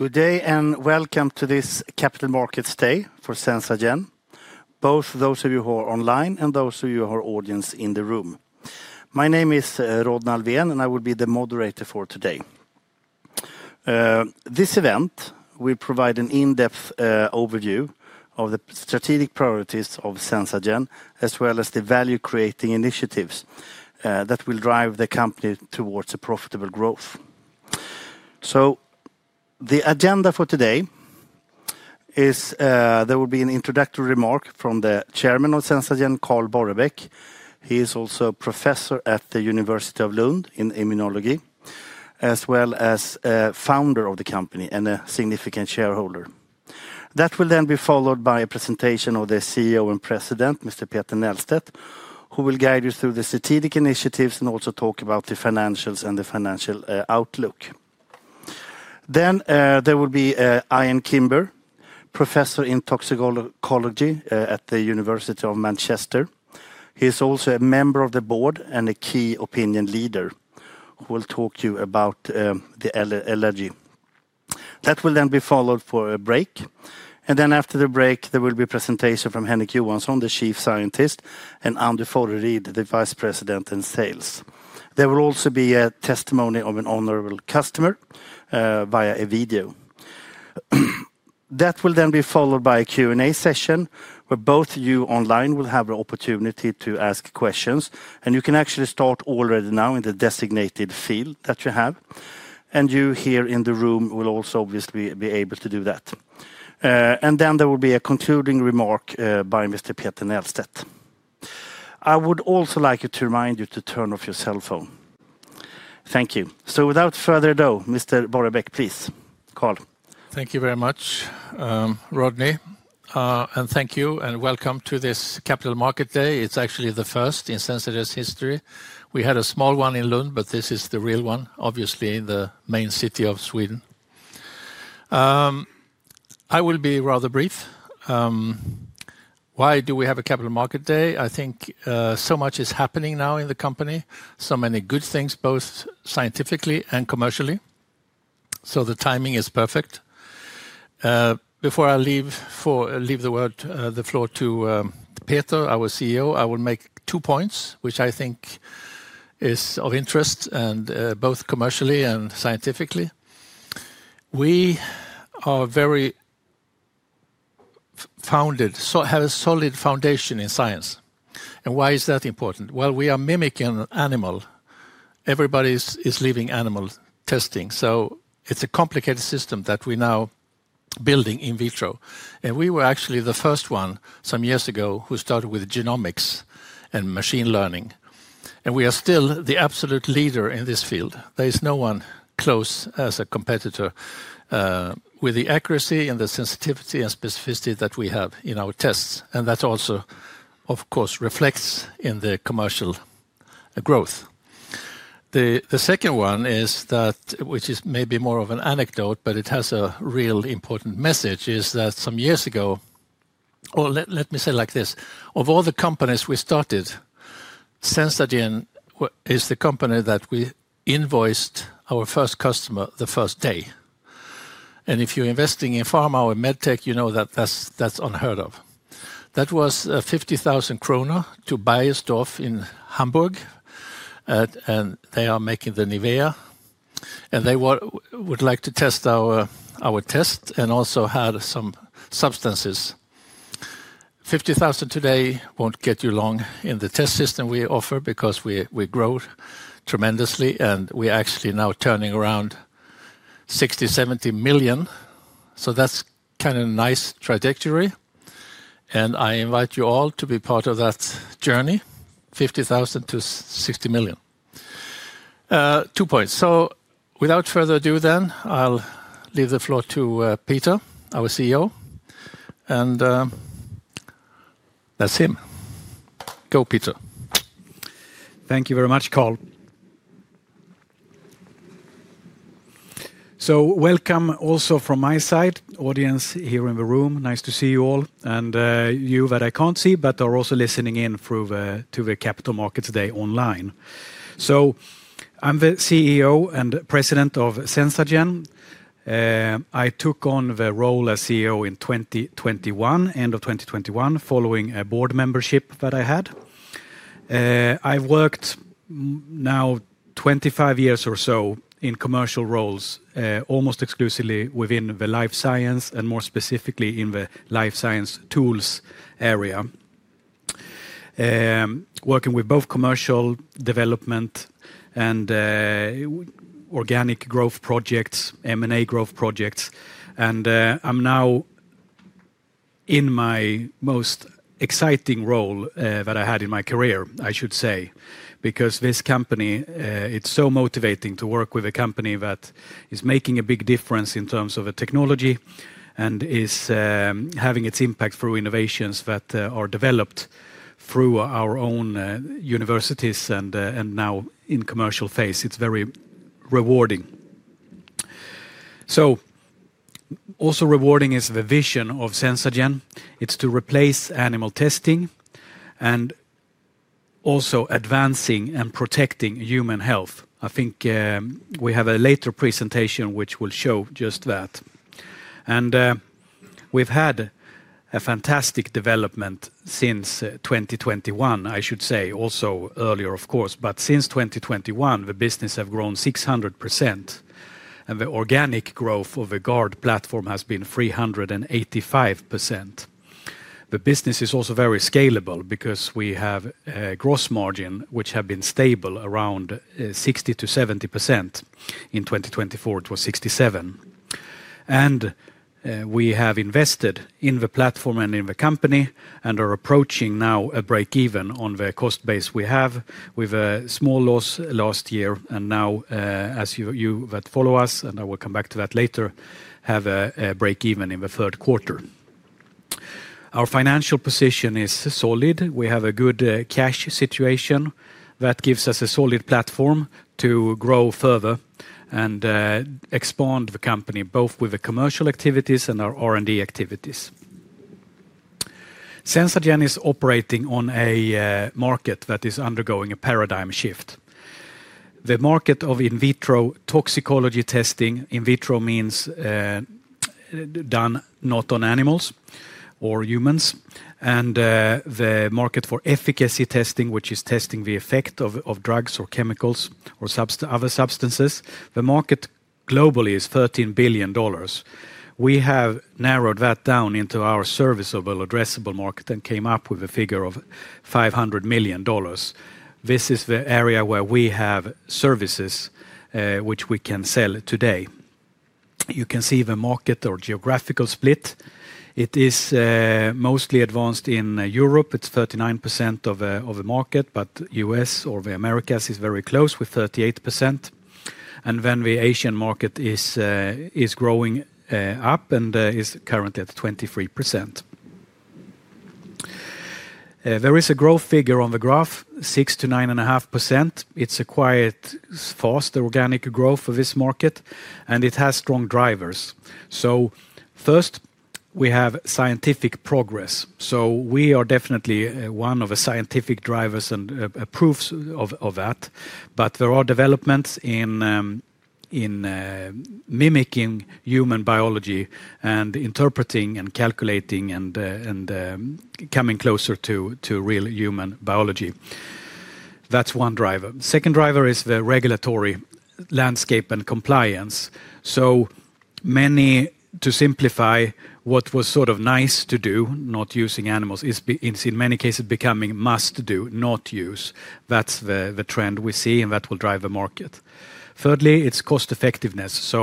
Good day and welcome to this Capital Markets Day for SenzaGen, both those of you who are online and those of you who are audience in the room. My name is Rodd Nahlveen, and I will be the moderator for today. This event will provide an in-depth overview of the strategic priorities of SenzaGen, as well as the value-creating initiatives that will drive the company towards profitable growth. The agenda for today is there will be an introductory remark from the Chairman of SenzaGen, Carl Borrebaeck. He is also a professor at the University of Lund in Immunology, as well as a founder of the company and a significant shareholder. That will then be followed by a presentation of the CEO and President, Mr. Peter Nählstedt, who will guide you through the strategic initiatives and also talk about the financials and the financial outlook. There will be Ian Kimber, Professor in Toxicology at the University of Manchester. He is also a member of the board and a key opinion leader who will talk to you about the allergy. That will then be followed by a break. After the break, there will be a presentation from Henrik Johansson, the Chief Scientist, and Anders Fodderid, the Vice President in Sales. There will also be a testimony of an honorable customer via a video. That will then be followed by a Q&A session where both of you online will have the opportunity to ask questions. You can actually start already now in the designated field that you have. You here in the room will also obviously be able to do that. There will be a concluding remark by Mr. Peter Nählstedt. I would also like to remind you to turn off your cell phone. Thank you. Without further ado, Mr. Borrebaeck, please. Karl. Thank you very much, Rodney. And thank you and welcome to this Capital Markets Day. It is actually the first in SenzaGen's history. We had a small one in Lund, but this is the real one, obviously in the main city of Sweden. I will be rather brief. Why do we have a Capital Markets Day? I think so much is happening now in the company, so many good things, both scientifically and commercially. The timing is perfect. Before I leave the floor to Peter, our CEO, I will make two points, which I think are of interest both commercially and scientifically. We have a solid foundation in science. Why is that important? We are mimicking an animal. Everybody is leaving animal testing. It is a complicated system that we are now building in vitro. We were actually the first one some years ago who started with genomics and machine learning. We are still the absolute leader in this field. There is no one close as a competitor with the accuracy and the sensitivity and specificity that we have in our tests. That also, of course, reflects in the commercial growth. The second one is that, which is maybe more of an anecdote, but it has a real important message, is that some years ago, or let me say it like this: of all the companies we started, SenzaGen is the company that we invoiced our first customer the first day. If you're investing in pharma or med tech, you know that that's unheard of. That was 50,000 kronor to Bayer in Hamburg. They are making the Nivea. They would like to test our test and also had some substances. 50,000 today will not get you far in the test system we offer because we have grown tremendously. We are actually now turning around 60-70 million. That is kind of a nice trajectory. I invite you all to be part of that journey, 50,000-60 million. Two points. Without further ado, I will leave the floor to Peter, our CEO. That is him. Go, Peter. Thank you very much, Karl. Welcome also from my side, audience here in the room. Nice to see you all. And you that I can't see, but are also listening in through the Capital Markets Day online. I'm the CEO and President of SenzaGen. I took on the role as CEO in 2021, end of 2021, following a board membership that I had. I've worked now 25 years or so in commercial roles, almost exclusively within the life science and more specifically in the life science tools area, working with both commercial development and organic growth projects, M&A growth projects. I'm now in my most exciting role that I had in my career, I should say, because this company, it's so motivating to work with a company that is making a big difference in terms of technology and is having its impact through innovations that are developed through our own universities and now in commercial phase. It's very rewarding. Also rewarding is the vision of SenzaGen. It's to replace animal testing and also advancing and protecting human health. I think we have a later presentation which will show just that. We've had a fantastic development since 2021, I should say, also earlier, of course. Since 2021, the business has grown 600%. The organic growth of the GARD platform has been 385%. The business is also very scalable because we have a gross margin which has been stable around 60-70%. In 2024, it was 67. We have invested in the platform and in the company and are approaching now a break-even on the cost base we have with a small loss last year. As you that follow us, and I will come back to that later, have a break-even in the third quarter. Our financial position is solid. We have a good cash situation that gives us a solid platform to grow further and expand the company, both with the commercial activities and our R&D activities. SenzaGen is operating on a market that is undergoing a paradigm shift. The market of in vitro toxicology testing, in vitro means done not on animals or humans. The market for efficacy testing, which is testing the effect of drugs or chemicals or other substances, the market globally is $13 billion. We have narrowed that down into our service of an addressable market and came up with a figure of $500 million. This is the area where we have services which we can sell today. You can see the market or geographical split. It is mostly advanced in Europe. It's 39% of the market, but the U.S. or the Americas is very close with 38%. The Asian market is growing up and is currently at 23%. There is a growth figure on the graph, 6-9.5%. It's a quite fast organic growth of this market, and it has strong drivers. First, we have scientific progress. We are definitely one of the scientific drivers and proofs of that. There are developments in mimicking human biology and interpreting and calculating and coming closer to real human biology. That's one driver. The second driver is the regulatory landscape and compliance. To simplify, what was sort of nice to do, not using animals, is in many cases becoming must-do, not use. That is the trend we see, and that will drive the market. Thirdly, it is cost-effectiveness.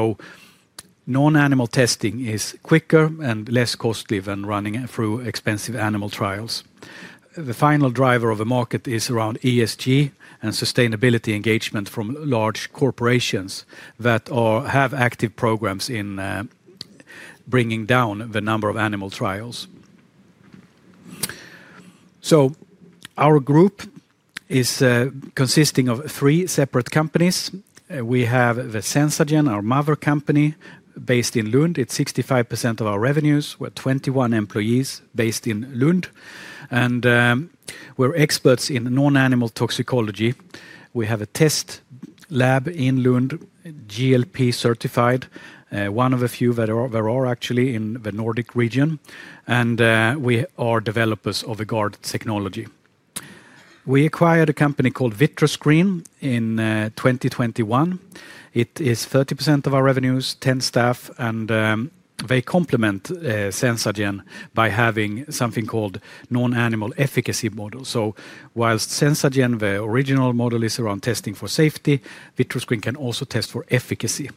Non-animal testing is quicker and less costly than running through expensive animal trials. The final driver of the market is around ESG and sustainability engagement from large corporations that have active programs in bringing down the number of animal trials. Our group is consisting of three separate companies. We have SenzaGen, our mother company based in Lund. It is 65% of our revenues. We are 21 employees based in Lund. We are experts in non-animal toxicology. We have a test lab in Lund, GLP certified, one of a few that there are actually in the Nordic region. We are developers of a GARD technology. We acquired a company called VitraScreen in 2021. It is 30% of our revenues, 10 staff, and they complement SenzaGen by having something called non-animal efficacy models. Whilst SenzaGen, the original model, is around testing for safety, VitraScreen can also test for efficacy.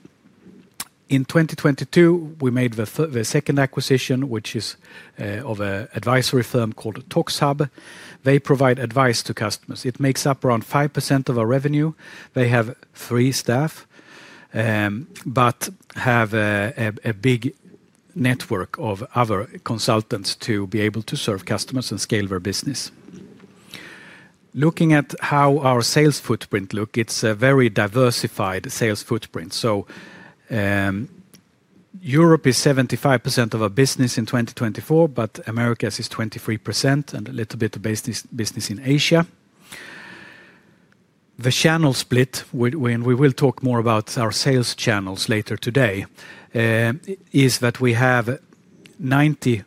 In 2022, we made the second acquisition, which is of an advisory firm called ToxHub. They provide advice to customers. It makes up around 5% of our revenue. They have three staff, but have a big network of other consultants to be able to serve customers and scale their business. Looking at how our sales footprint looks, it is a very diversified sales footprint. Europe is 75% of our business in 2024, but Americas is 23% and a little bit of business in Asia. The channel split, and we will talk more about our sales channels later today, is that we have 90%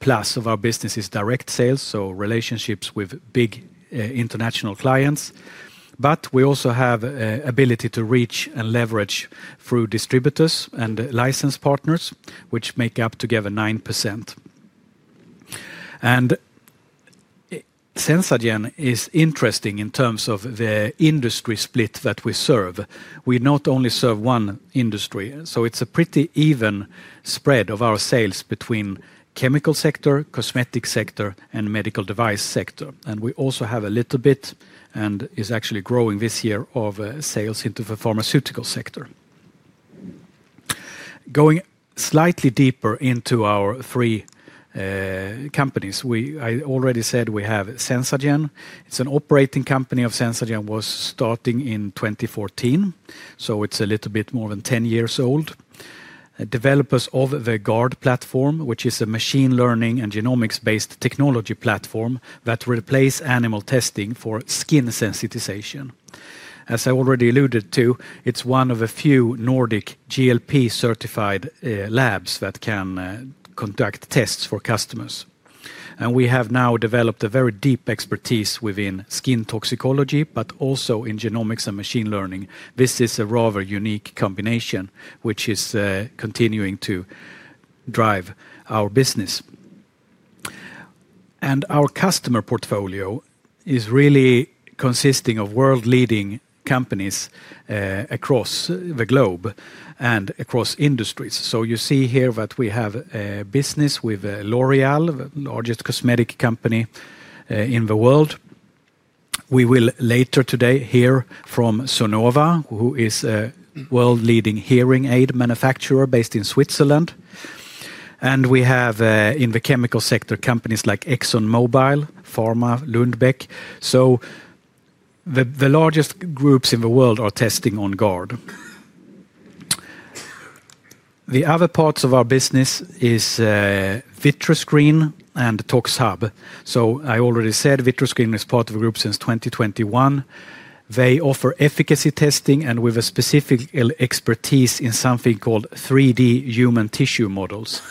plus of our business is direct sales, so relationships with big international clients. We also have the ability to reach and leverage through distributors and license partners, which make up together 9%. SenzaGen is interesting in terms of the industry split that we serve. We not only serve one industry. It is a pretty even spread of our sales between the chemical sector, cosmetic sector, and the medical device sector. We also have a little bit, and is actually growing this year, of sales into the pharmaceutical sector. Going slightly deeper into our three companies, I already said we have SenzaGen. It is an operating company of SenzaGen, was starting in 2014. It is a little bit more than 10 years old. Developers of the GARD platform, which is a machine learning and genomics-based technology platform that replaced animal testing for skin sensitization. As I already alluded to, it is one of a few Nordic GLP certified labs that can conduct tests for customers. We have now developed a very deep expertise within skin toxicology, but also in genomics and machine learning. This is a rather unique combination, which is continuing to drive our business. Our customer portfolio is really consisting of world-leading companies across the globe and across industries. You see here that we have a business with L'Oréal, the largest cosmetic company in the world. We will later today hear from Sonova, who is a world-leading hearing aid manufacturer based in Switzerland. We have in the chemical sector companies like ExxonMobil, Pharma, Lundbeck. The largest groups in the world are testing on GARD. The other parts of our business are VitraScreen and ToxHub. I already said VitraScreen is part of the group since 2021. They offer efficacy testing with a specific expertise in something called 3D human tissue models.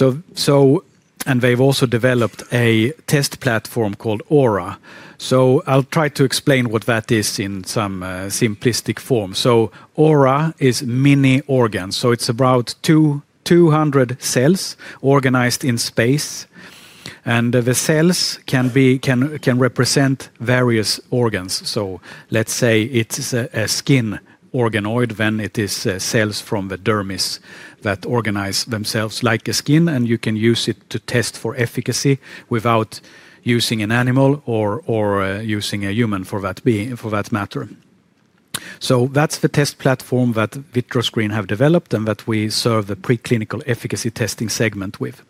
They have also developed a test platform called AURA. I will try to explain what that is in some simplistic form. AURA is mini organs. It is about 200 cells organized in space. The cells can represent various organs. Let's say it is a skin organoid when it is cells from the dermis that organize themselves like a skin, and you can use it to test for efficacy without using an animal or using a human for that matter. That is the test platform that VitraScreen has developed and that we serve the preclinical efficacy testing segment with.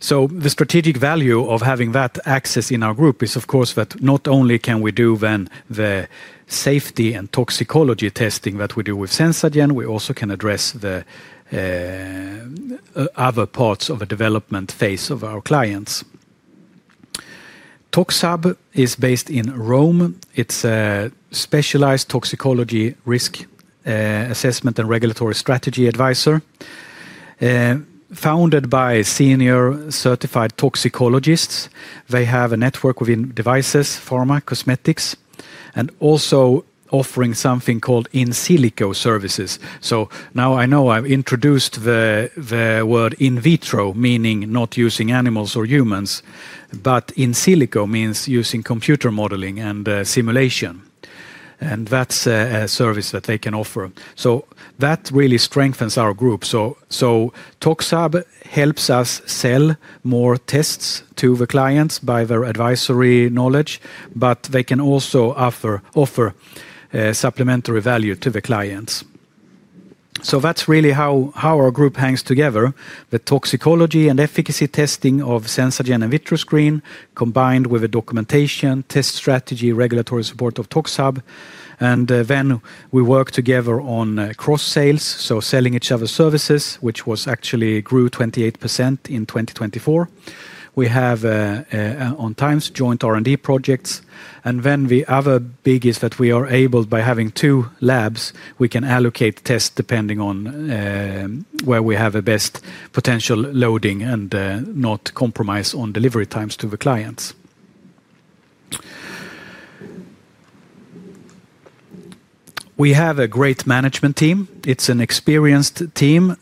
The strategic value of having that access in our group is, of course, that not only can we do then the safety and toxicology testing that we do with SenzaGen, we also can address the other parts of the development phase of our clients. ToxHub is based in Rome. It is a specialized toxicology risk assessment and regulatory strategy advisor. Founded by senior certified toxicologists, they have a network within devices, pharma, cosmetics, and also offering something called in silico services. Now I know I have introduced the word in vitro, meaning not using animals or humans, but in silico means using computer modeling and simulation. That is a service that they can offer. That really strengthens our group. ToxHub helps us sell more tests to the clients by their advisory knowledge, but they can also offer supplementary value to the clients. That is really how our group hangs together, the toxicology and efficacy testing of SenzaGen and VitraScreen combined with the documentation, test strategy, regulatory support of ToxHub. We work together on cross-sales, so selling each other's services, which actually grew 28% in 2024. We have at times joint R&D projects. The other big thing is that by having two labs, we can allocate tests depending on where we have the best potential loading and not compromise on delivery times to the clients. We have a great management team. It is an experienced team.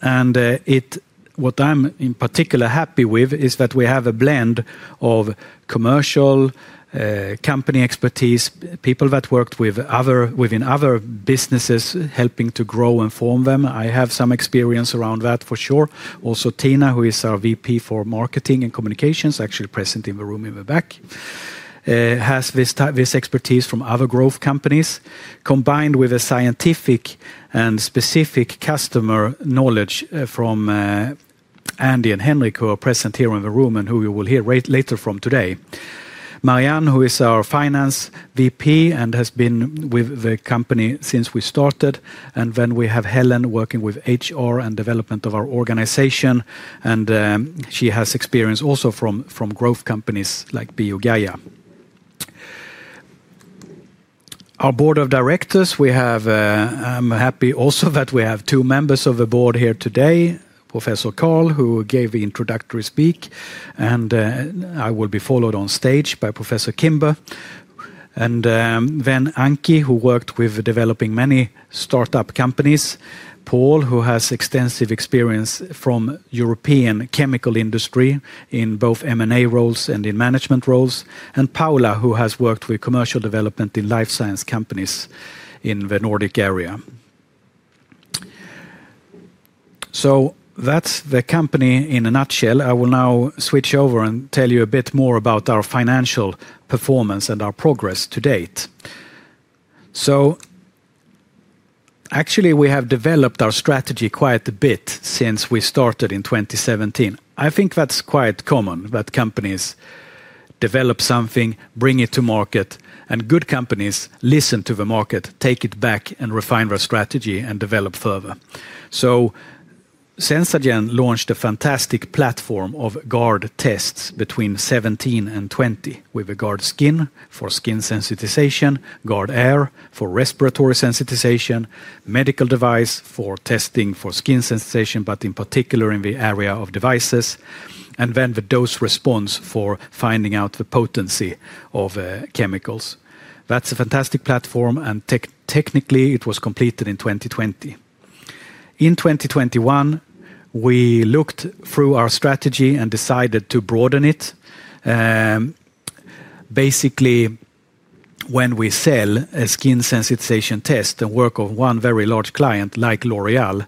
What I am in particular happy with is that we have a blend of commercial, company expertise, people that worked within other businesses helping to grow and form them. I have some experience around that for sure. Also, Tina, who is our VP for Marketing and Communications, actually present in the room in the back, has this expertise from other growth companies combined with a scientific and specific customer knowledge from Anki and Henrik, who are present here in the room and who you will hear later from today. Marianne, who is our Finance VP and has been with the company since we started. We have Helen working with HR and development of our organization, and she has experience also from growth companies like BioGaia. Our Board of Directors, I am happy also that we have two members of the board here today, Professor Karl, who gave the introductory speak. I will be followed on stage by Professor Kimber. Anki, who worked with developing many startup companies, Paul, who has extensive experience from the European chemical industry in both M&A roles and in management roles, and Paula, who has worked with commercial development in life science companies in the Nordic area. That is the company in a nutshell. I will now switch over and tell you a bit more about our financial performance and our progress to date. Actually, we have developed our strategy quite a bit since we started in 2017. I think that is quite common that companies develop something, bring it to market, and good companies listen to the market, take it back and refine our strategy and develop further. SenzaGen launched a fantastic platform of GARD tests between 2017 and 2020 with the GARD skin for skin sensitization, GARD air for respiratory sensitization, medical device for testing for skin sensitization, but in particular in the area of devices, and then the dose response for finding out the potency of chemicals. That's a fantastic platform, and technically it was completed in 2020. In 2021, we looked through our strategy and decided to broaden it. Basically, when we sell a skin sensitization test and work on one very large client like L'Oréal,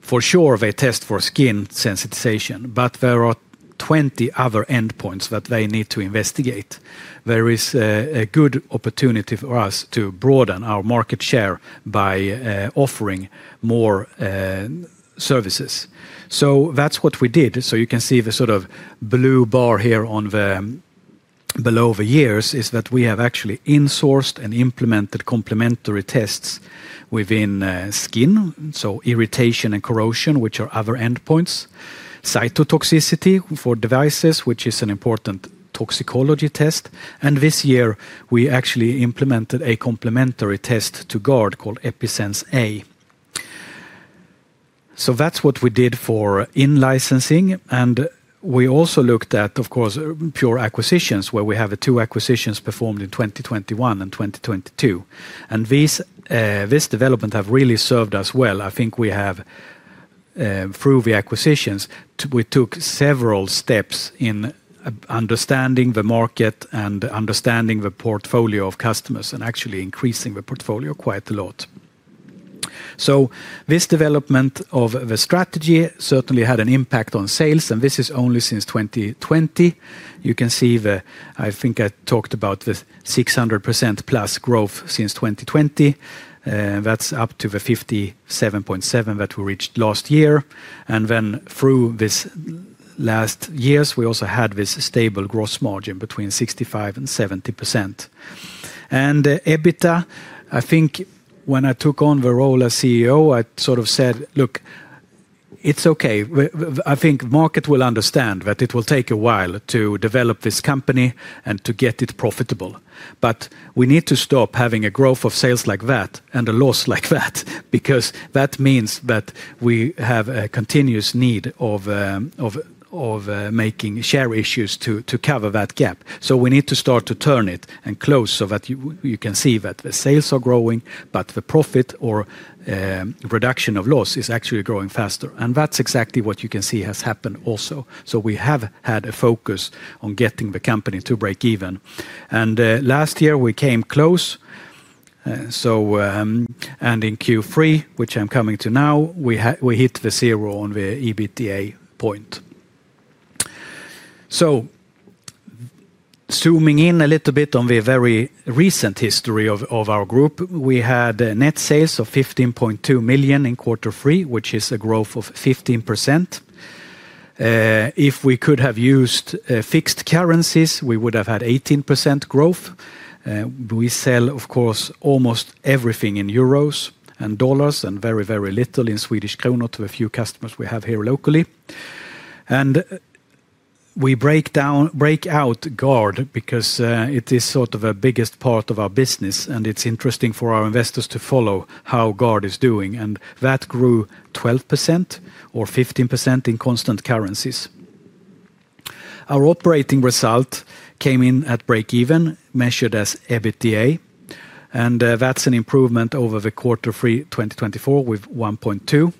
for sure they test for skin sensitization, but there are 20 other endpoints that they need to investigate. There is a good opportunity for us to broaden our market share by offering more services. That's what we did. You can see the sort of blue bar here below the years is that we have actually insourced and implemented complementary tests within skin, so irritation and corrosion, which are other endpoints, cytotoxicity for devices, which is an important toxicology test. This year, we actually implemented a complementary test to GARD called EpiSensA. That is what we did for in-licensing. We also looked at, of course, pure acquisitions where we have two acquisitions performed in 2021 and 2022. This development has really served us well. I think we have, through the acquisitions, taken several steps in understanding the market and understanding the portfolio of customers and actually increasing the portfolio quite a lot. This development of the strategy certainly had an impact on sales, and this is only since 2020. You can see the, I think I talked about the 600% plus growth since 2020. That's up to the 57.7 million that we reached last year. Through these last years, we also had this stable gross margin between 65-70%. EBITDA, I think when I took on the role as CEO, I sort of said, "Look, it's okay. I think the market will understand that it will take a while to develop this company and to get it profitable. We need to stop having a growth of sales like that and a loss like that because that means that we have a continuous need of making share issues to cover that gap. We need to start to turn it and close so that you can see that the sales are growing, but the profit or reduction of loss is actually growing faster. That is exactly what you can see has happened also. We have had a focus on getting the company to break even. Last year, we came close. In Q3, which I am coming to now, we hit the zero on the EBITDA point. Zooming in a little bit on the very recent history of our group, we had net sales of 15.2 million in quarter three, which is a growth of 15%. If we could have used fixed currencies, we would have had 18% growth. We sell, of course, almost everything in euros and dollars and very, very little in Swedish krona to a few customers we have here locally. We break out GARD because it is sort of the biggest part of our business, and it's interesting for our investors to follow how GARD is doing. That grew 12% or 15% in constant currencies. Our operating result came in at break even, measured as EBITDA. That's an improvement over the quarter three 2024 with 1.2.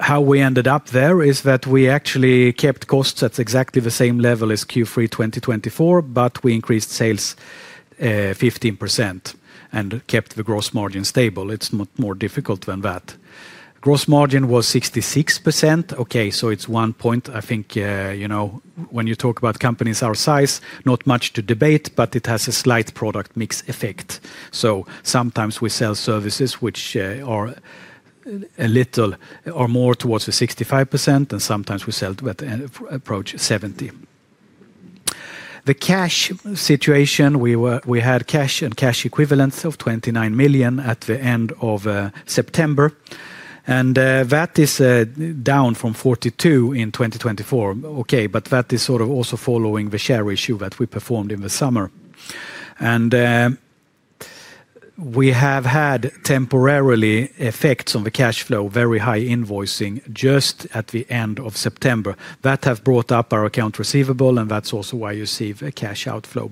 How we ended up there is that we actually kept costs at exactly the same level as Q3 2024, but we increased sales 15% and kept the gross margin stable. It's not more difficult than that. Gross margin was 66%. Okay, so it's one point. I think when you talk about companies our size, not much to debate, but it has a slight product mix effect. Sometimes we sell services which are a little more towards the 65%, and sometimes we sell with an approach 70. The cash situation, we had cash and cash equivalents of 29 million at the end of September. That is down from 42 million in 2024. That is sort of also following the share issue that we performed in the summer. We have had temporary effects on the cash flow, very high invoicing just at the end of September. That has brought up our accounts receivable, and that is also why you see the cash outflow.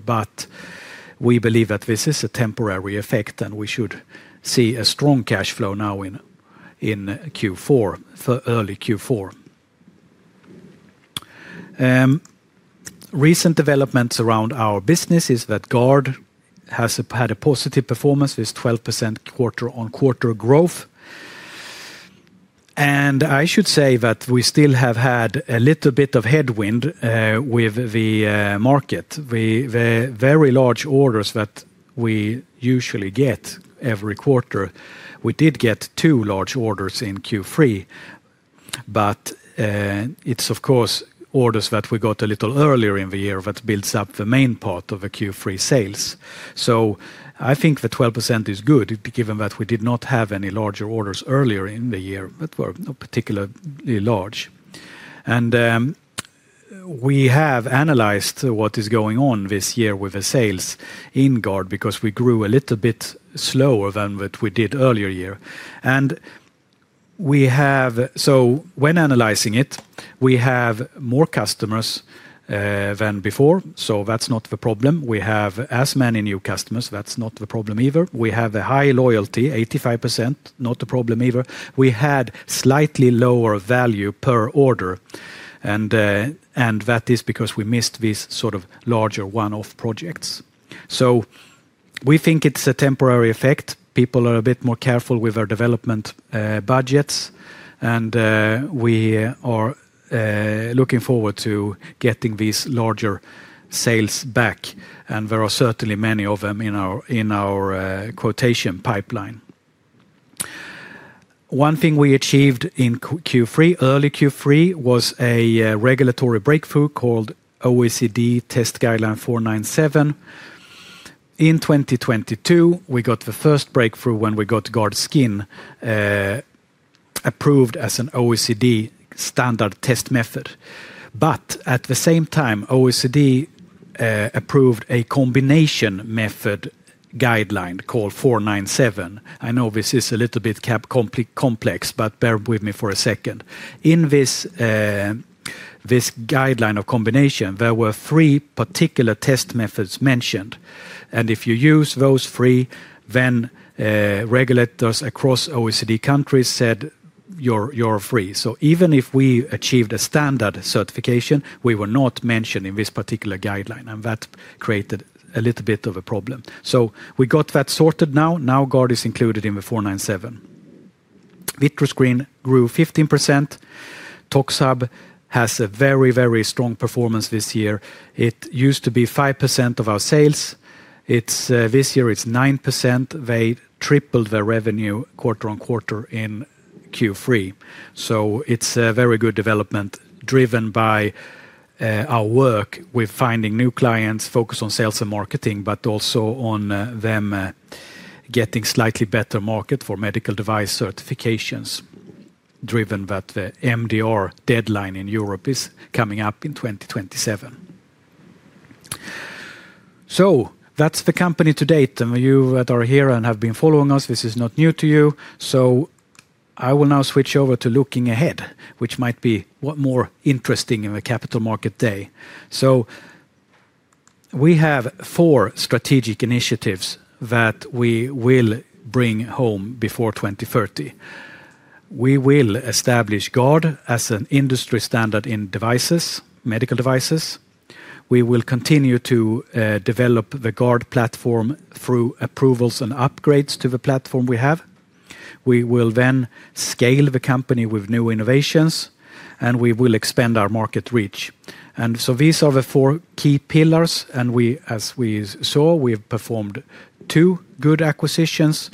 We believe that this is a temporary effect, and we should see a strong cash flow now in Q4, early Q4. Recent developments around our business is that GARD has had a positive performance with 12% quarter-on-quarter growth. I should say that we still have had a little bit of headwind with the market. The very large orders that we usually get every quarter, we did get two large orders in Q3. It is, of course, orders that we got a little earlier in the year that builds up the main part of the Q3 sales. I think the 12% is good given that we did not have any larger orders earlier in the year that were particularly large. We have analyzed what is going on this year with the sales in GARD because we grew a little bit slower than what we did earlier year. When analyzing it, we have more customers than before. That is not the problem. We have as many new customers. That is not the problem either. We have a high loyalty, 85%, not a problem either. We had slightly lower value per order. That is because we missed these sort of larger one-off projects. We think it's a temporary effect. People are a bit more careful with our development budgets. We are looking forward to getting these larger sales back. There are certainly many of them in our quotation pipeline. One thing we achieved in Q3, early Q3, was a regulatory breakthrough called OECD Test Guideline 497. In 2022, we got the first breakthrough when we got GARD skin approved as an OECD standard test method. At the same time, OECD approved a combination method guideline called 497. I know this is a little bit complex, but bear with me for a second. In this guideline of combination, there were three particular test methods mentioned. If you use those three, then regulators across OECD countries said, "You're free." Even if we achieved a standard certification, we were not mentioned in this particular guideline. That created a little bit of a problem. We got that sorted now. Now GARD is included in the 497. VitraScreen grew 15%. ToxHub has a very, very strong performance this year. It used to be 5% of our sales. This year, it is 9%. They tripled their revenue quarter on quarter in Q3. It is a very good development driven by our work with finding new clients, focus on sales and marketing, but also on them getting a slightly better market for medical device certifications, driven by the MDR deadline in Europe coming up in 2027. That is the company to date. You that are here and have been following us, this is not new to you. I will now switch over to looking ahead, which might be more interesting in a capital market day. We have four strategic initiatives that we will bring home before 2030. We will establish GARD as an industry standard in devices, medical devices. We will continue to develop the GARD platform through approvals and upgrades to the platform we have. We will then scale the company with new innovations, and we will expand our market reach. These are the four key pillars. As we saw, we have performed two good acquisitions.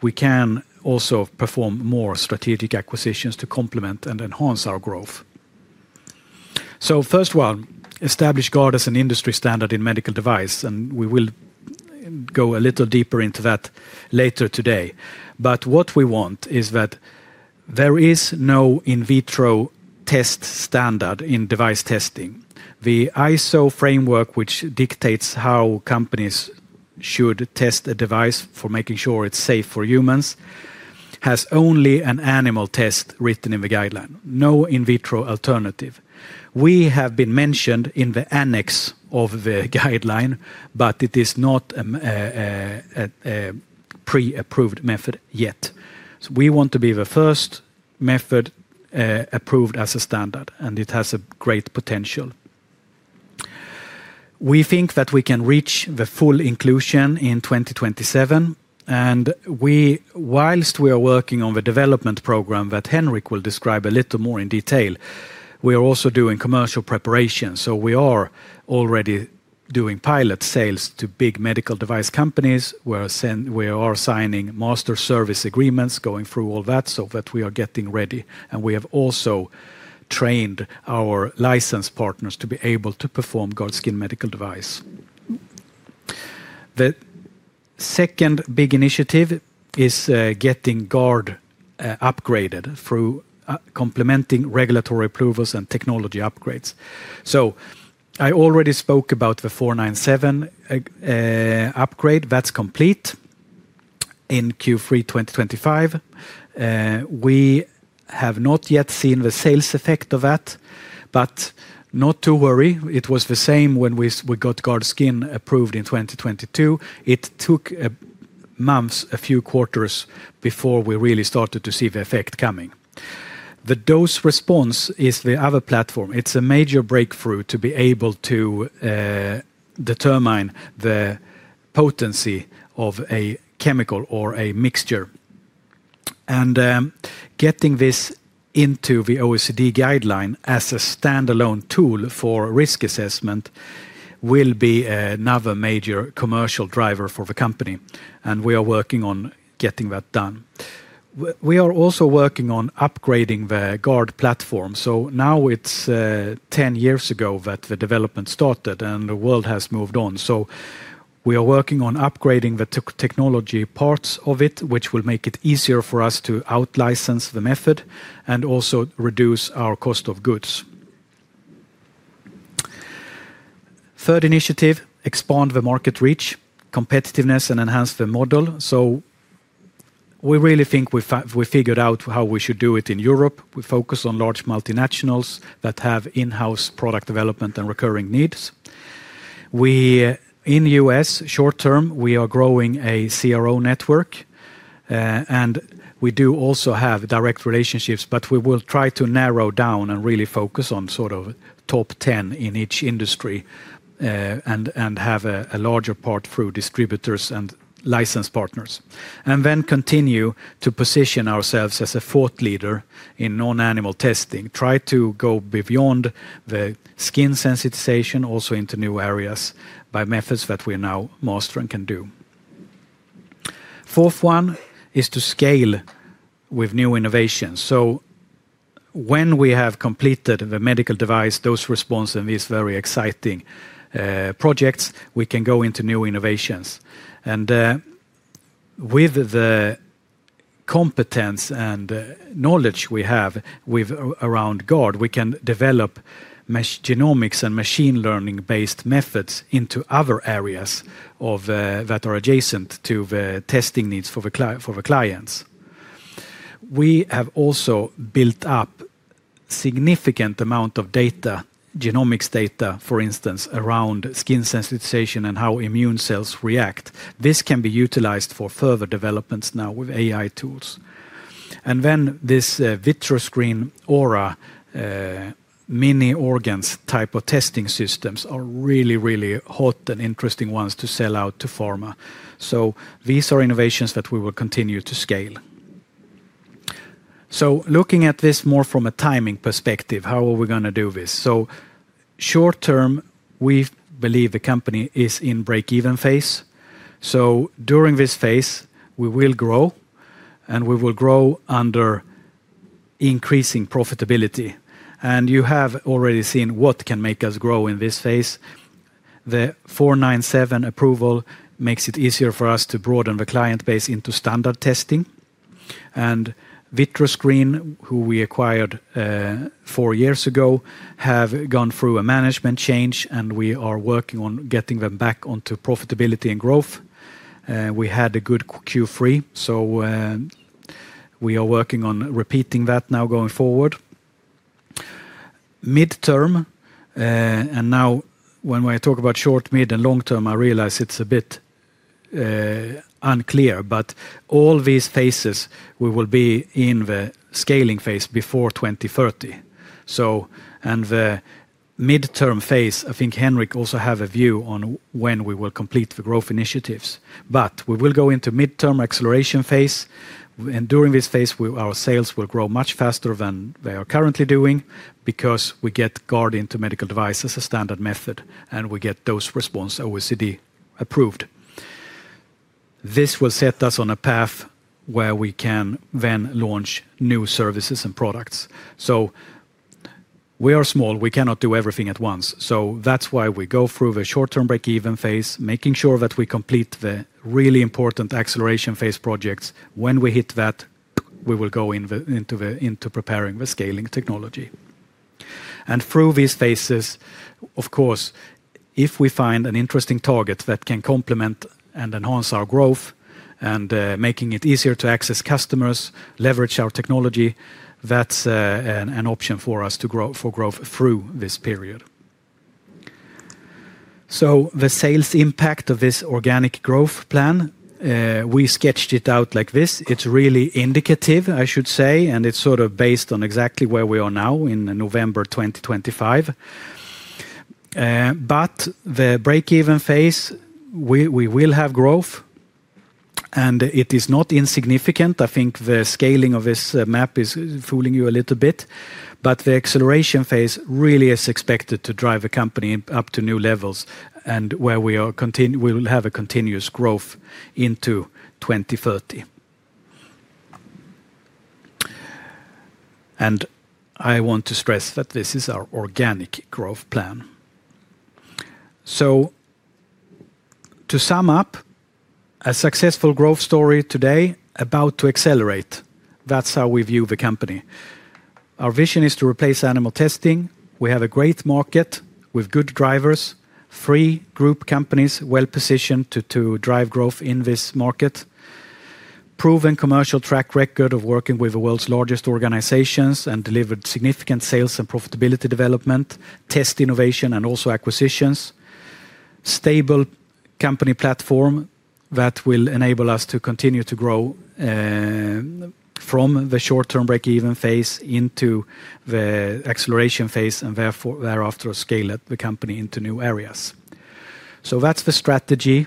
We can also perform more strategic acquisitions to complement and enhance our growth. First one, establish GARD as an industry standard in medical device. We will go a little deeper into that later today. What we want is that there is no in vitro test standard in device testing. The ISO framework, which dictates how companies should test a device for making sure it's safe for humans, has only an animal test written in the guideline. No in vitro alternative. We have been mentioned in the annex of the guideline, but it is not a pre-approved method yet. We want to be the first method approved as a standard, and it has a great potential. We think that we can reach the full inclusion in 2027. Whilst we are working on the development program that Henrik will describe a little more in detail, we are also doing commercial preparation. We are already doing pilot sales to big medical device companies. We are signing master service agreements, going through all that so that we are getting ready. We have also trained our license partners to be able to perform GARD skin medical device. The second big initiative is getting GARD upgraded through complementing regulatory approvals and technology upgrades. I already spoke about the 497 upgrade. That is complete in Q3 2025. We have not yet seen the sales effect of that, but not to worry. It was the same when we got GARD skin approved in 2022. It took months, a few quarters before we really started to see the effect coming. The dose response is the other platform. It is a major breakthrough to be able to determine the potency of a chemical or a mixture. Getting this into the OECD guideline as a standalone tool for risk assessment will be another major commercial driver for the company. We are working on getting that done. We are also working on upgrading the GARD platform. Now it is 10 years ago that the development started, and the world has moved on. We are working on upgrading the technology parts of it, which will make it easier for us to out-license the method and also reduce our cost of goods. Third initiative, expand the market reach, competitiveness, and enhance the model. We really think we figured out how we should do it in Europe. We focus on large multinationals that have in-house product development and recurring needs. In the U.S., short term, we are growing a CRO network. We do also have direct relationships, but we will try to narrow down and really focus on sort of top 10 in each industry and have a larger part through distributors and license partners. We continue to position ourselves as a thought leader in non-animal testing, try to go beyond the skin sensitization also into new areas by methods that we are now mastering can do. Fourth one is to scale with new innovations. When we have completed the medical device, dose response, and these very exciting projects, we can go into new innovations. With the competence and knowledge we have around GARD, we can develop genomics and machine learning-based methods into other areas that are adjacent to the testing needs for the clients. We have also built up a significant amount of data, genomics data, for instance, around skin sensitization and how immune cells react. This can be utilized for further developments now with AI tools. This VitraScreen AURA mini organs type of testing systems are really, really hot and interesting ones to sell out to pharma. These are innovations that we will continue to scale. Looking at this more from a timing perspective, how are we going to do this? Short term, we believe the company is in break-even phase. During this phase, we will grow, and we will grow under increasing profitability. You have already seen what can make us grow in this phase. The 497 approval makes it easier for us to broaden the client base into standard testing. VitraScreen, who we acquired four years ago, have gone through a management change, and we are working on getting them back onto profitability and growth. We had a good Q3, so we are working on repeating that now going forward. Midterm, and now when I talk about short, mid, and long term, I realize it is a bit unclear, but all these phases, we will be in the scaling phase before 2030. The midterm phase, I think Henrik also has a view on when we will complete the growth initiatives. We will go into midterm acceleration phase. During this phase, our sales will grow much faster than they are currently doing because we get GARD into medical device as a standard method, and we get dose response, OECD approved. This will set us on a path where we can then launch new services and products. We are small. We cannot do everything at once. That is why we go through the short-term break-even phase, making sure that we complete the really important acceleration phase projects. When we hit that, we will go into preparing the scaling technology. Through these phases, of course, if we find an interesting target that can complement and enhance our growth and make it easier to access customers, leverage our technology, that is an option for us to grow through this period. The sales impact of this organic growth plan, we sketched it out like this. It is really indicative, I should say, and it is sort of based on exactly where we are now in November 2025. The break-even phase, we will have growth, and it is not insignificant. I think the scaling of this map is fooling you a little bit, but the acceleration phase really is expected to drive the company up to new levels and where we will have a continuous growth into 2030. I want to stress that this is our organic growth plan. To sum up, a successful growth story today, about to accelerate. That is how we view the company. Our vision is to replace animal testing. We have a great market with good drivers, three group companies well positioned to drive growth in this market, proven commercial track record of working with the world's largest organizations and delivered significant sales and profitability development, test innovation, and also acquisitions, stable company platform that will enable us to continue to grow from the short-term break-even phase into the acceleration phase and thereafter scale the company into new areas. That is the strategy,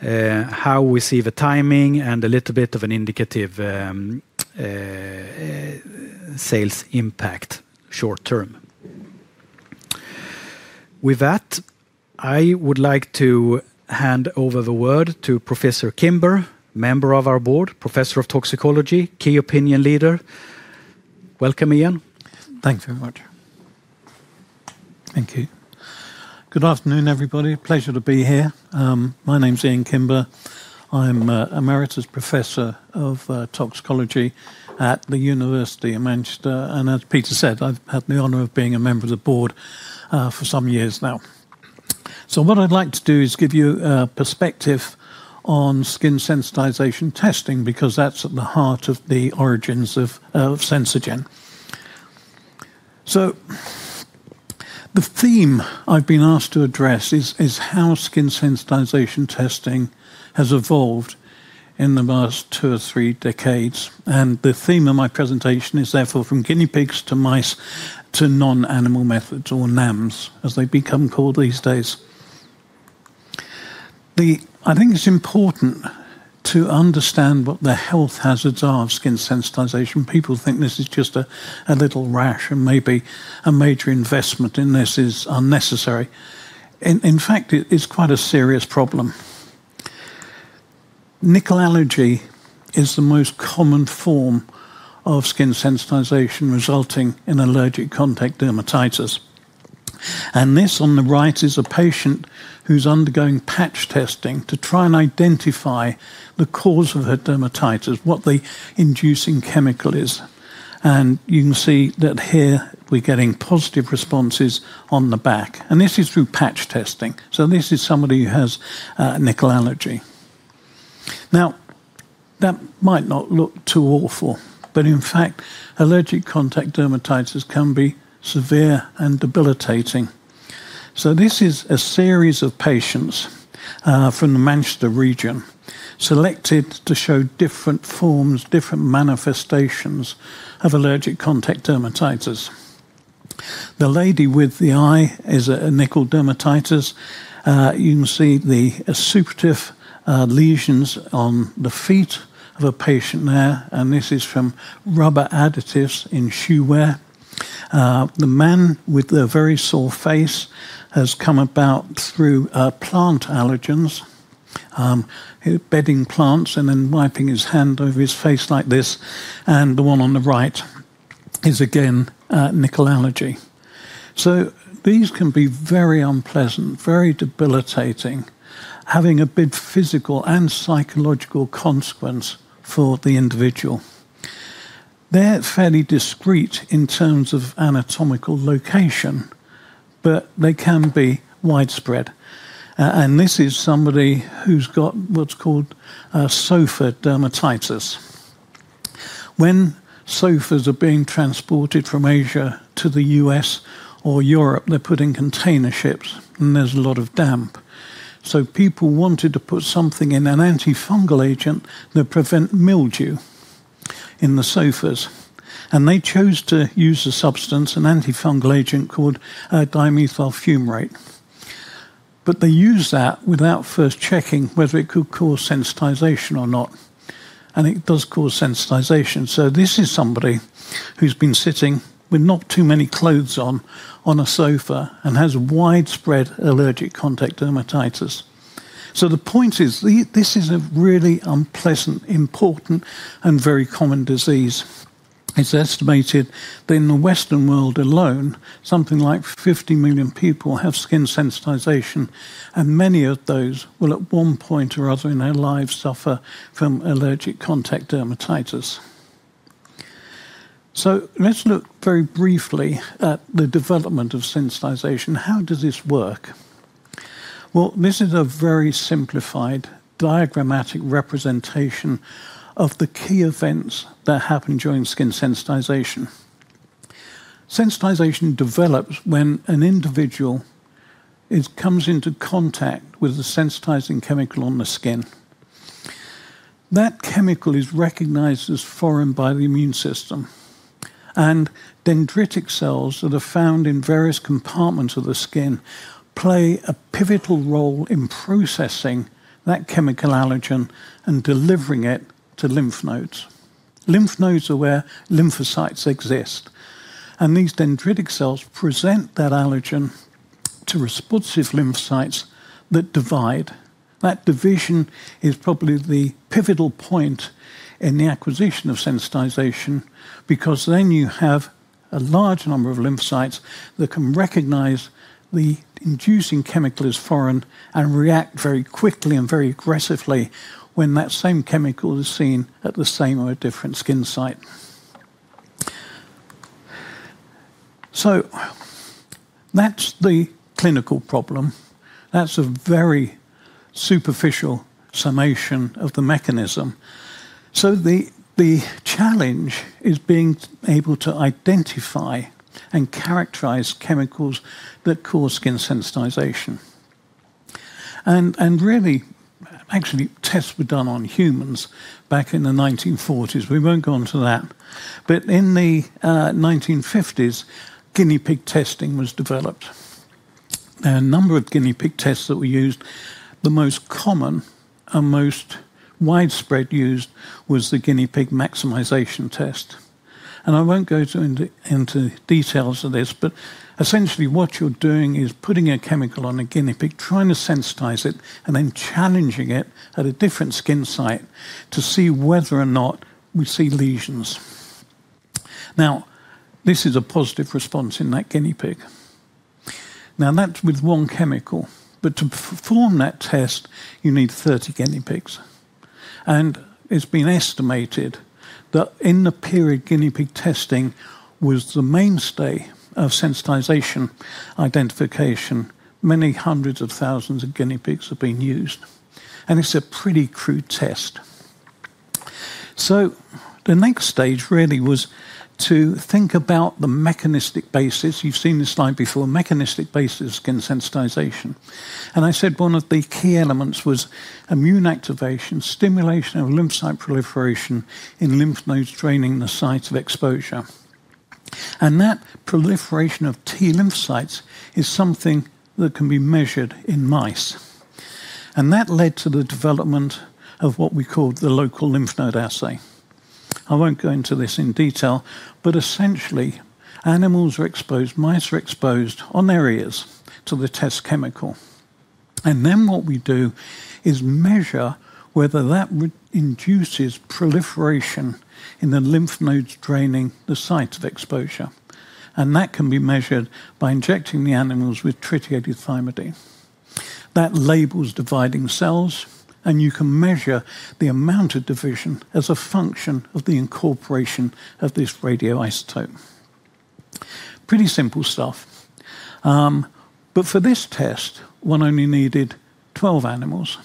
how we see the timing and a little bit of an indicative sales impact short term. With that, I would like to hand over the word to Professor Kimber, member of our board, Professor of Toxicology, key opinion leader. Welcome, Ian. Thanks very much. Thank you. Good afternoon, everybody. Pleasure to be here. My name's Ian Kimber. I'm Emeritus Professor of Toxicology at the University of Manchester. As Peter said, I've had the honor of being a member of the board for some years now. What I'd like to do is give you a perspective on skin sensitization testing because that's at the heart of the origins of SenzaGen. The theme I've been asked to address is how skin sensitization testing has evolved in the last two or three decades. The theme of my presentation is therefore from guinea pigs to mice to non-animal methods or NAMs, as they become called these days. I think it's important to understand what the health hazards are of skin sensitization. People think this is just a little rash and maybe a major investment in this is unnecessary. In fact, it's quite a serious problem. Nickel allergy is the most common form of skin sensitization resulting in allergic contact dermatitis. This on the right is a patient who's undergoing patch testing to try and identify the cause of her dermatitis, what the inducing chemical is. You can see that here we're getting positive responses on the back. This is through patch testing. This is somebody who has a nickel allergy. That might not look too awful, but in fact, allergic contact dermatitis can be severe and debilitating. This is a series of patients from the Manchester region selected to show different forms, different manifestations of allergic contact dermatitis. The lady with the eye is a nickel dermatitis. You can see the suppurative lesions on the feet of a patient there. This is from rubber additives in shoe wear. The man with the very sore face has come about through plant allergens, bedding plants and then wiping his hand over his face like this. The one on the right is again a nickel allergy. These can be very unpleasant, very debilitating, having a big physical and psychological consequence for the individual. They're fairly discreet in terms of anatomical location, but they can be widespread. This is somebody who's got what's called a SOFA dermatitis. When SOFAs are being transported from Asia to the U.S. or Europe, they're put in container ships, and there's a lot of damp. People wanted to put something in, an antifungal agent that prevents mildew in the SOFAs. They chose to use a substance, an antifungal agent called dimethyl fumarate. They used that without first checking whether it could cause sensitization or not. It does cause sensitization. This is somebody who's been sitting with not too many clothes on on a sofa and has widespread allergic contact dermatitis. The point is, this is a really unpleasant, important, and very common disease. It's estimated that in the Western world alone, something like 50 million people have skin sensitization. Many of those will at one point or other in their lives suffer from allergic contact dermatitis. Let's look very briefly at the development of sensitization. How does this work? This is a very simplified diagrammatic representation of the key events that happen during skin sensitization. Sensitization develops when an individual comes into contact with the sensitizing chemical on the skin. That chemical is recognized as foreign by the immune system. Dendritic cells that are found in various compartments of the skin play a pivotal role in processing that chemical allergen and delivering it to lymph nodes. Lymph nodes are where lymphocytes exist. These dendritic cells present that allergen to responsive lymphocytes that divide. That division is probably the pivotal point in the acquisition of sensitization because then you have a large number of lymphocytes that can recognize the inducing chemical as foreign and react very quickly and very aggressively when that same chemical is seen at the same or a different skin site. That is the clinical problem. That is a very superficial summation of the mechanism. The challenge is being able to identify and characterize chemicals that cause skin sensitization. Really, actually, tests were done on humans back in the 1940s. We will not go into that. In the 1950s, guinea pig testing was developed. A number of guinea pig tests that were used. The most common and most widespread used was the guinea pig maximization test. I won't go into details of this, but essentially what you're doing is putting a chemical on a guinea pig, trying to sensitize it, and then challenging it at a different skin site to see whether or not we see lesions. This is a positive response in that guinea pig. That's with one chemical. To perform that test, you need 30 guinea pigs. It's been estimated that in the period guinea pig testing was the mainstay of sensitization identification, many hundreds of thousands of guinea pigs have been used. It's a pretty crude test. The next stage really was to think about the mechanistic basis. You've seen this slide before, mechanistic basis of skin sensitization. One of the key elements was immune activation, stimulation of lymphocyte proliferation in lymph nodes draining the site of exposure. That proliferation of T lymphocytes is something that can be measured in mice. That led to the development of what we called the local lymph node assay. I won't go into this in detail, but essentially, animals are exposed, mice are exposed on areas to the test chemical. What we do is measure whether that induces proliferation in the lymph nodes draining the site of exposure. That can be measured by injecting the animals with tritiated thymidine. That labels dividing cells, and you can measure the amount of division as a function of the incorporation of this radioisotope. Pretty simple stuff. For this test, one only needed 12 animals,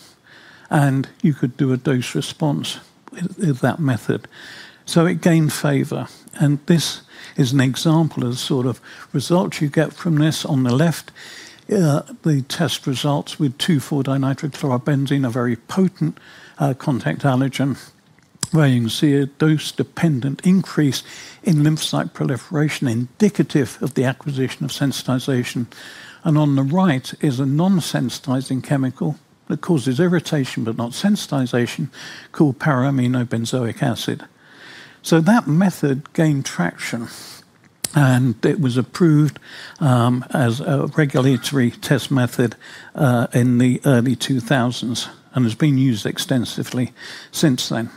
and you could do a dose response with that method. It gained favor. This is an example of the sort of results you get from this. On the left, the test results with 2,4-dinitrochlorobenzene, a very potent contact allergen, where you can see a dose-dependent increase in lymphocyte proliferation indicative of the acquisition of sensitization. On the right is a non-sensitizing chemical that causes irritation but not sensitization called para-aminobenzoic acid. That method gained traction, and it was approved as a regulatory test method in the early 2000s and has been used extensively since then.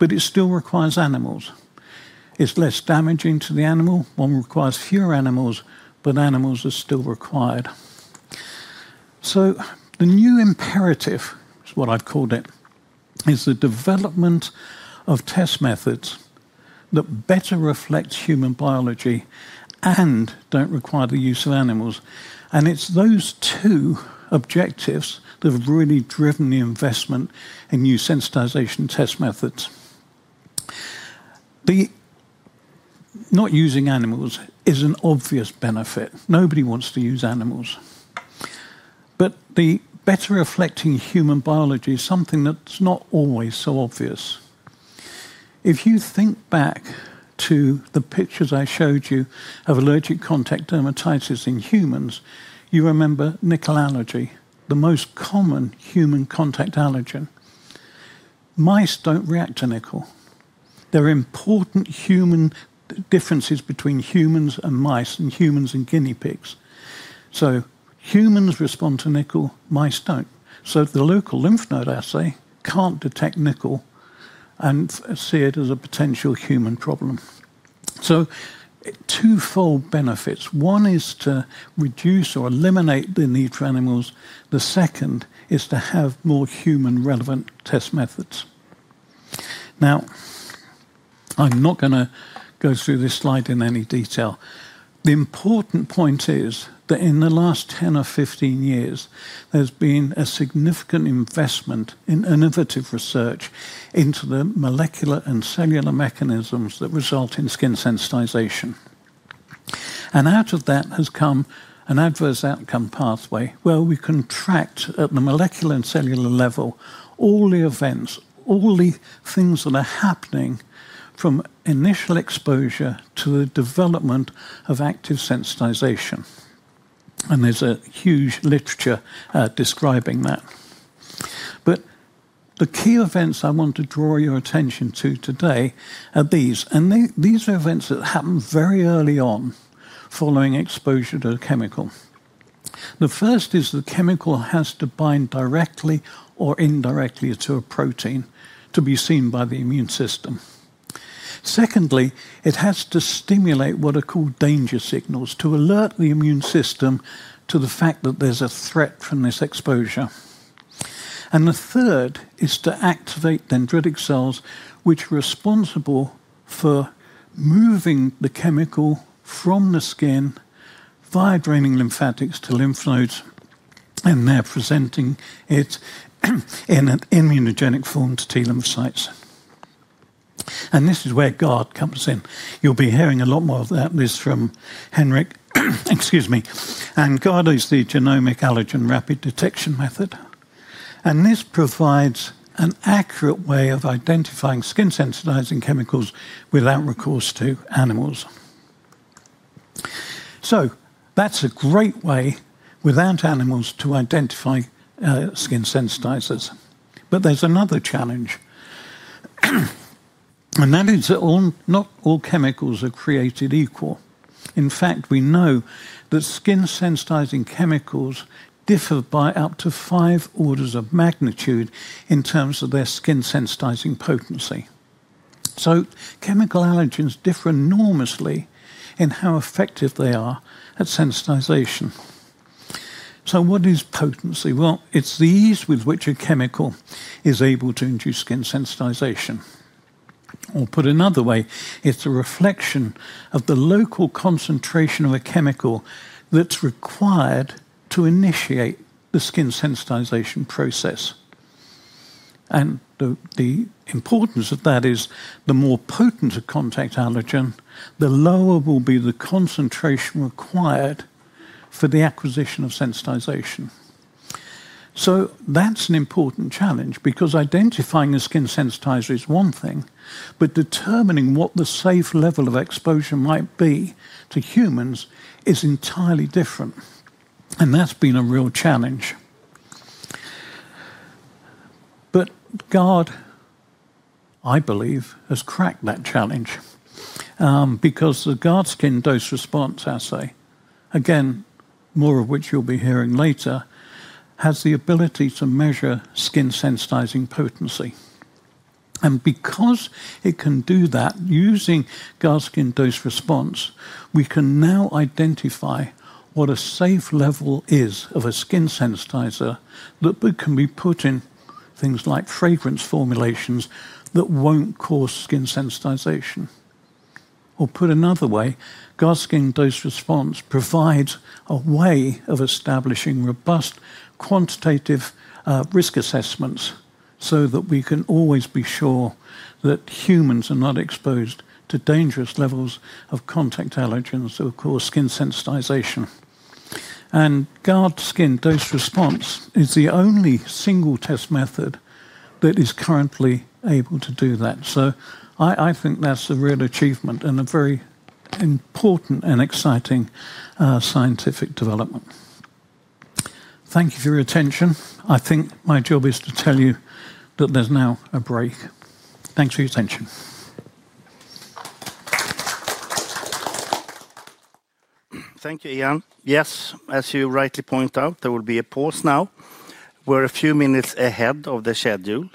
It still requires animals. It is less damaging to the animal. One requires fewer animals, but animals are still required. The new imperative, what I have called it, is the development of test methods that better reflect human biology and do not require the use of animals. It is those two objectives that have really driven the investment in new sensitization test methods. Not using animals is an obvious benefit. Nobody wants to use animals. The better reflecting human biology is something that is not always so obvious. If you think back to the pictures I showed you of allergic contact dermatitis in humans, you remember nickel allergy, the most common human contact allergen. Mice do not react to nickel. There are important human differences between humans and mice and humans and guinea pigs. Humans respond to nickel, mice do not. The local lymph node assay cannot detect nickel and see it as a potential human problem. Twofold benefits: one is to reduce or eliminate the need for animals. The second is to have more human-relevant test methods. I am not going to go through this slide in any detail. The important point is that in the last 10 or 15 years, there's been a significant investment in innovative research into the molecular and cellular mechanisms that result in skin sensitization. Out of that has come an adverse outcome pathway where we contract at the molecular and cellular level all the events, all the things that are happening from initial exposure to the development of active sensitization. There's a huge literature describing that. The key events I want to draw your attention to today are these. These are events that happen very early on following exposure to a chemical. The first is the chemical has to bind directly or indirectly to a protein to be seen by the immune system. Secondly, it has to stimulate what are called danger signals to alert the immune system to the fact that there's a threat from this exposure. The third is to activate dendritic cells, which are responsible for moving the chemical from the skin via draining lymphatics to lymph nodes and there presenting it in an immunogenic form to T lymphocytes. This is where GARD comes in. You'll be hearing a lot more of that. This is from Henrik. Excuse me. GARD is the Genomic Allergen Rapid Detection Method. This provides an accurate way of identifying skin sensitizing chemicals without recourse to animals. That is a great way without animals to identify skin sensitizers. There is another challenge. That is that not all chemicals are created equal. In fact, we know that skin sensitizing chemicals differ by up to five orders of magnitude in terms of their skin sensitizing potency. Chemical allergens differ enormously in how effective they are at sensitization. What is potency? It is the ease with which a chemical is able to induce skin sensitization. Or put another way, it is a reflection of the local concentration of a chemical that is required to initiate the skin sensitization process. The importance of that is the more potent a contact allergen, the lower will be the concentration required for the acquisition of sensitization. That is an important challenge because identifying a skin sensitizer is one thing, but determining what the safe level of exposure might be to humans is entirely different. That has been a real challenge. GARD, I believe, has cracked that challenge because the GARD skin dose response assay, again, more of which you will be hearing later, has the ability to measure skin sensitizing potency. Because it can do that using GARD skin dose response, we can now identify what a safe level is of a skin sensitizer that can be put in things like fragrance formulations that will not cause skin sensitization. Put another way, GARD skin dose response provides a way of establishing robust quantitative risk assessments so that we can always be sure that humans are not exposed to dangerous levels of contact allergens that will cause skin sensitization. GARD skin dose response is the only single test method that is currently able to do that. I think that is a real achievement and a very important and exciting scientific development. Thank you for your attention. I think my job is to tell you that there is now a break. Thanks for your attention. Thank you, Ian. Yes, as you rightly point out, there will be a pause now. We're a few minutes ahead of the schedule.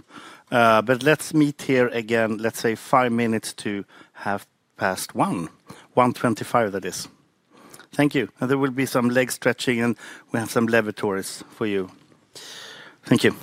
Let's meet here again, let's say five minutes to half past one, 1:25, that is. Thank you. There will be some leg stretching, and we have some lavatories for you. Thank you.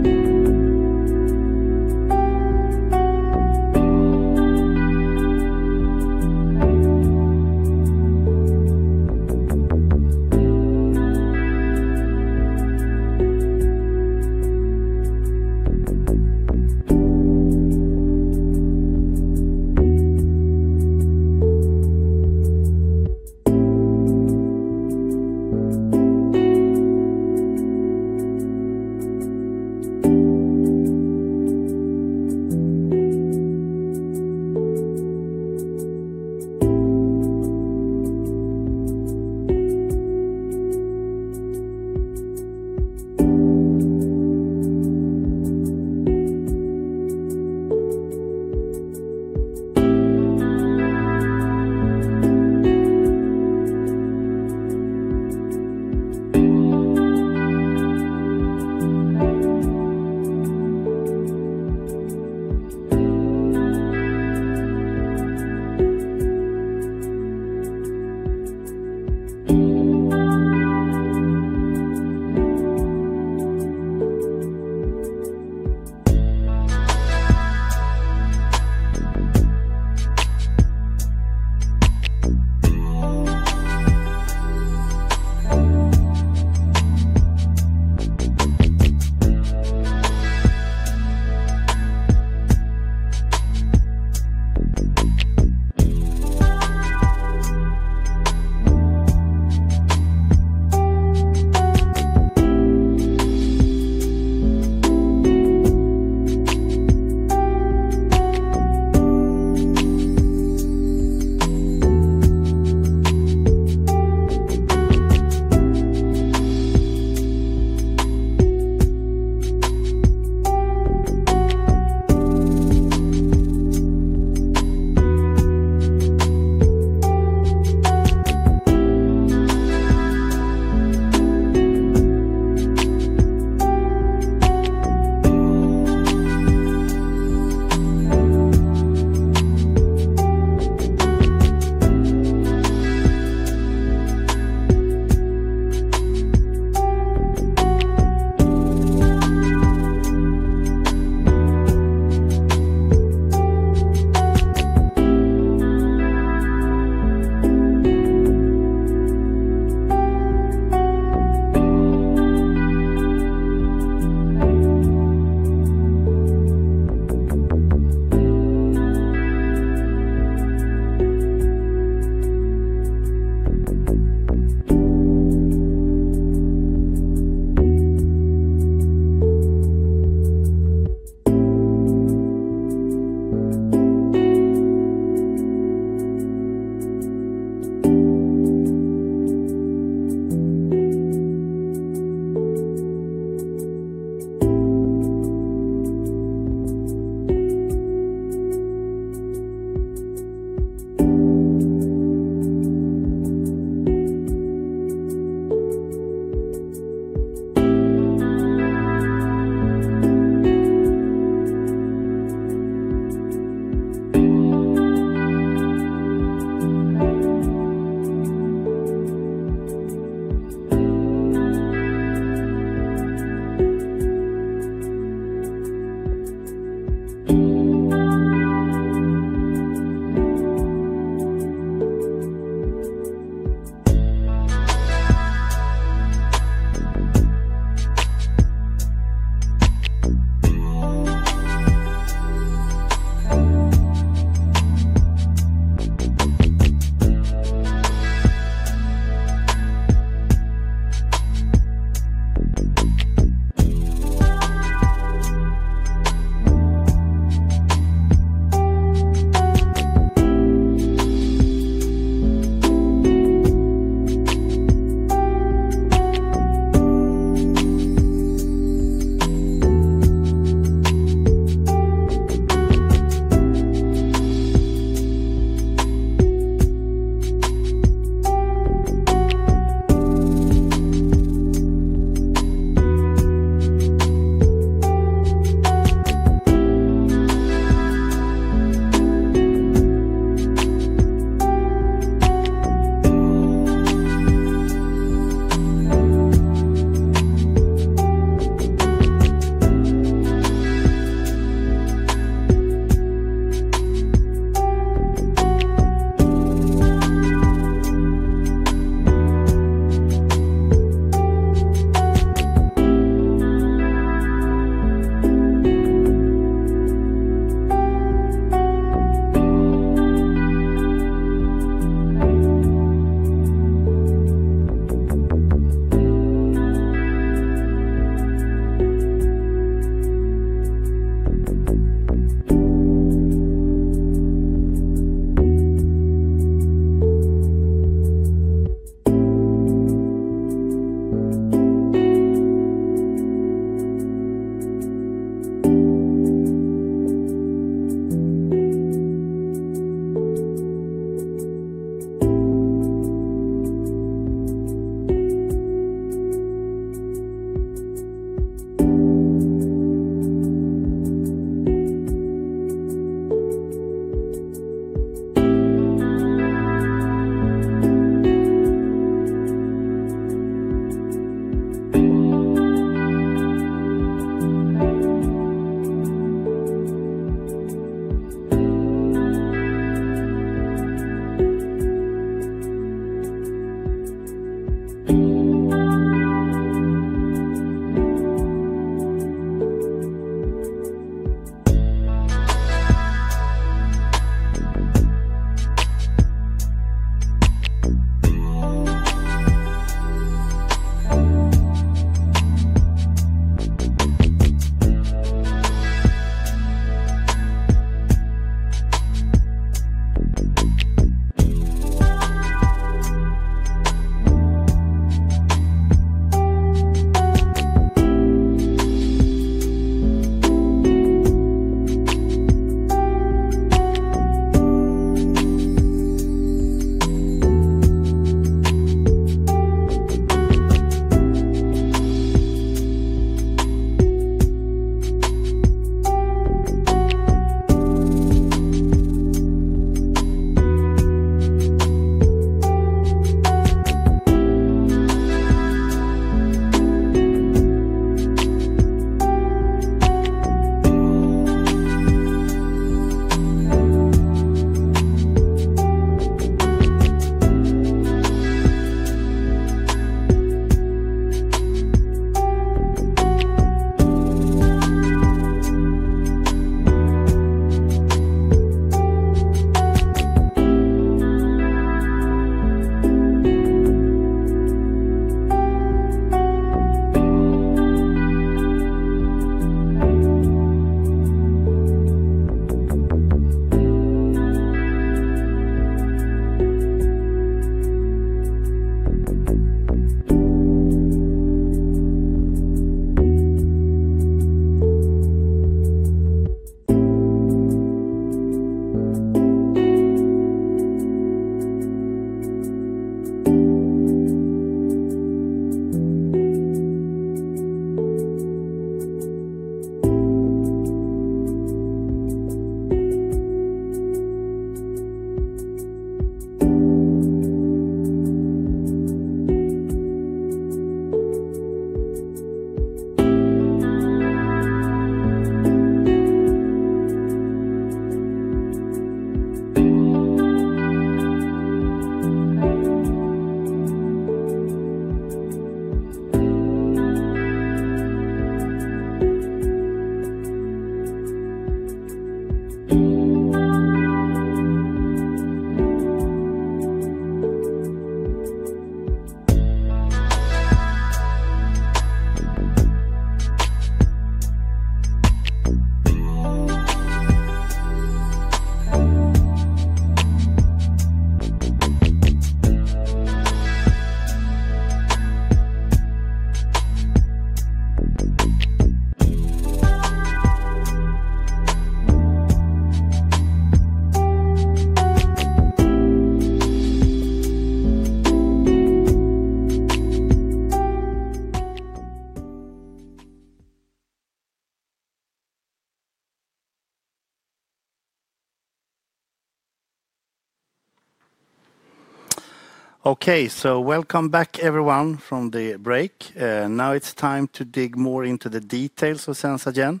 Okay, welcome back, everyone, from the break. Now it's time to dig more into the details of SenzaGen.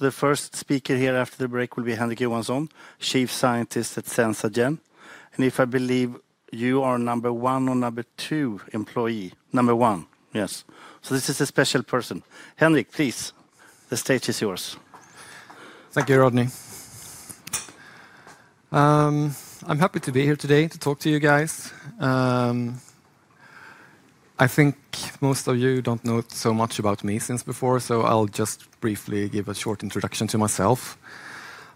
The first speaker here after the break will be Henrik Johansson, Chief Scientist at SenzaGen. If I believe you are number one or number two employee? Number one, yes. This is a special person. Henrik, please, the stage is yours. Thank you, Rodney. I'm happy to be here today to talk to you guys. I think most of you don't know so much about me since before, so I'll just briefly give a short introduction to myself.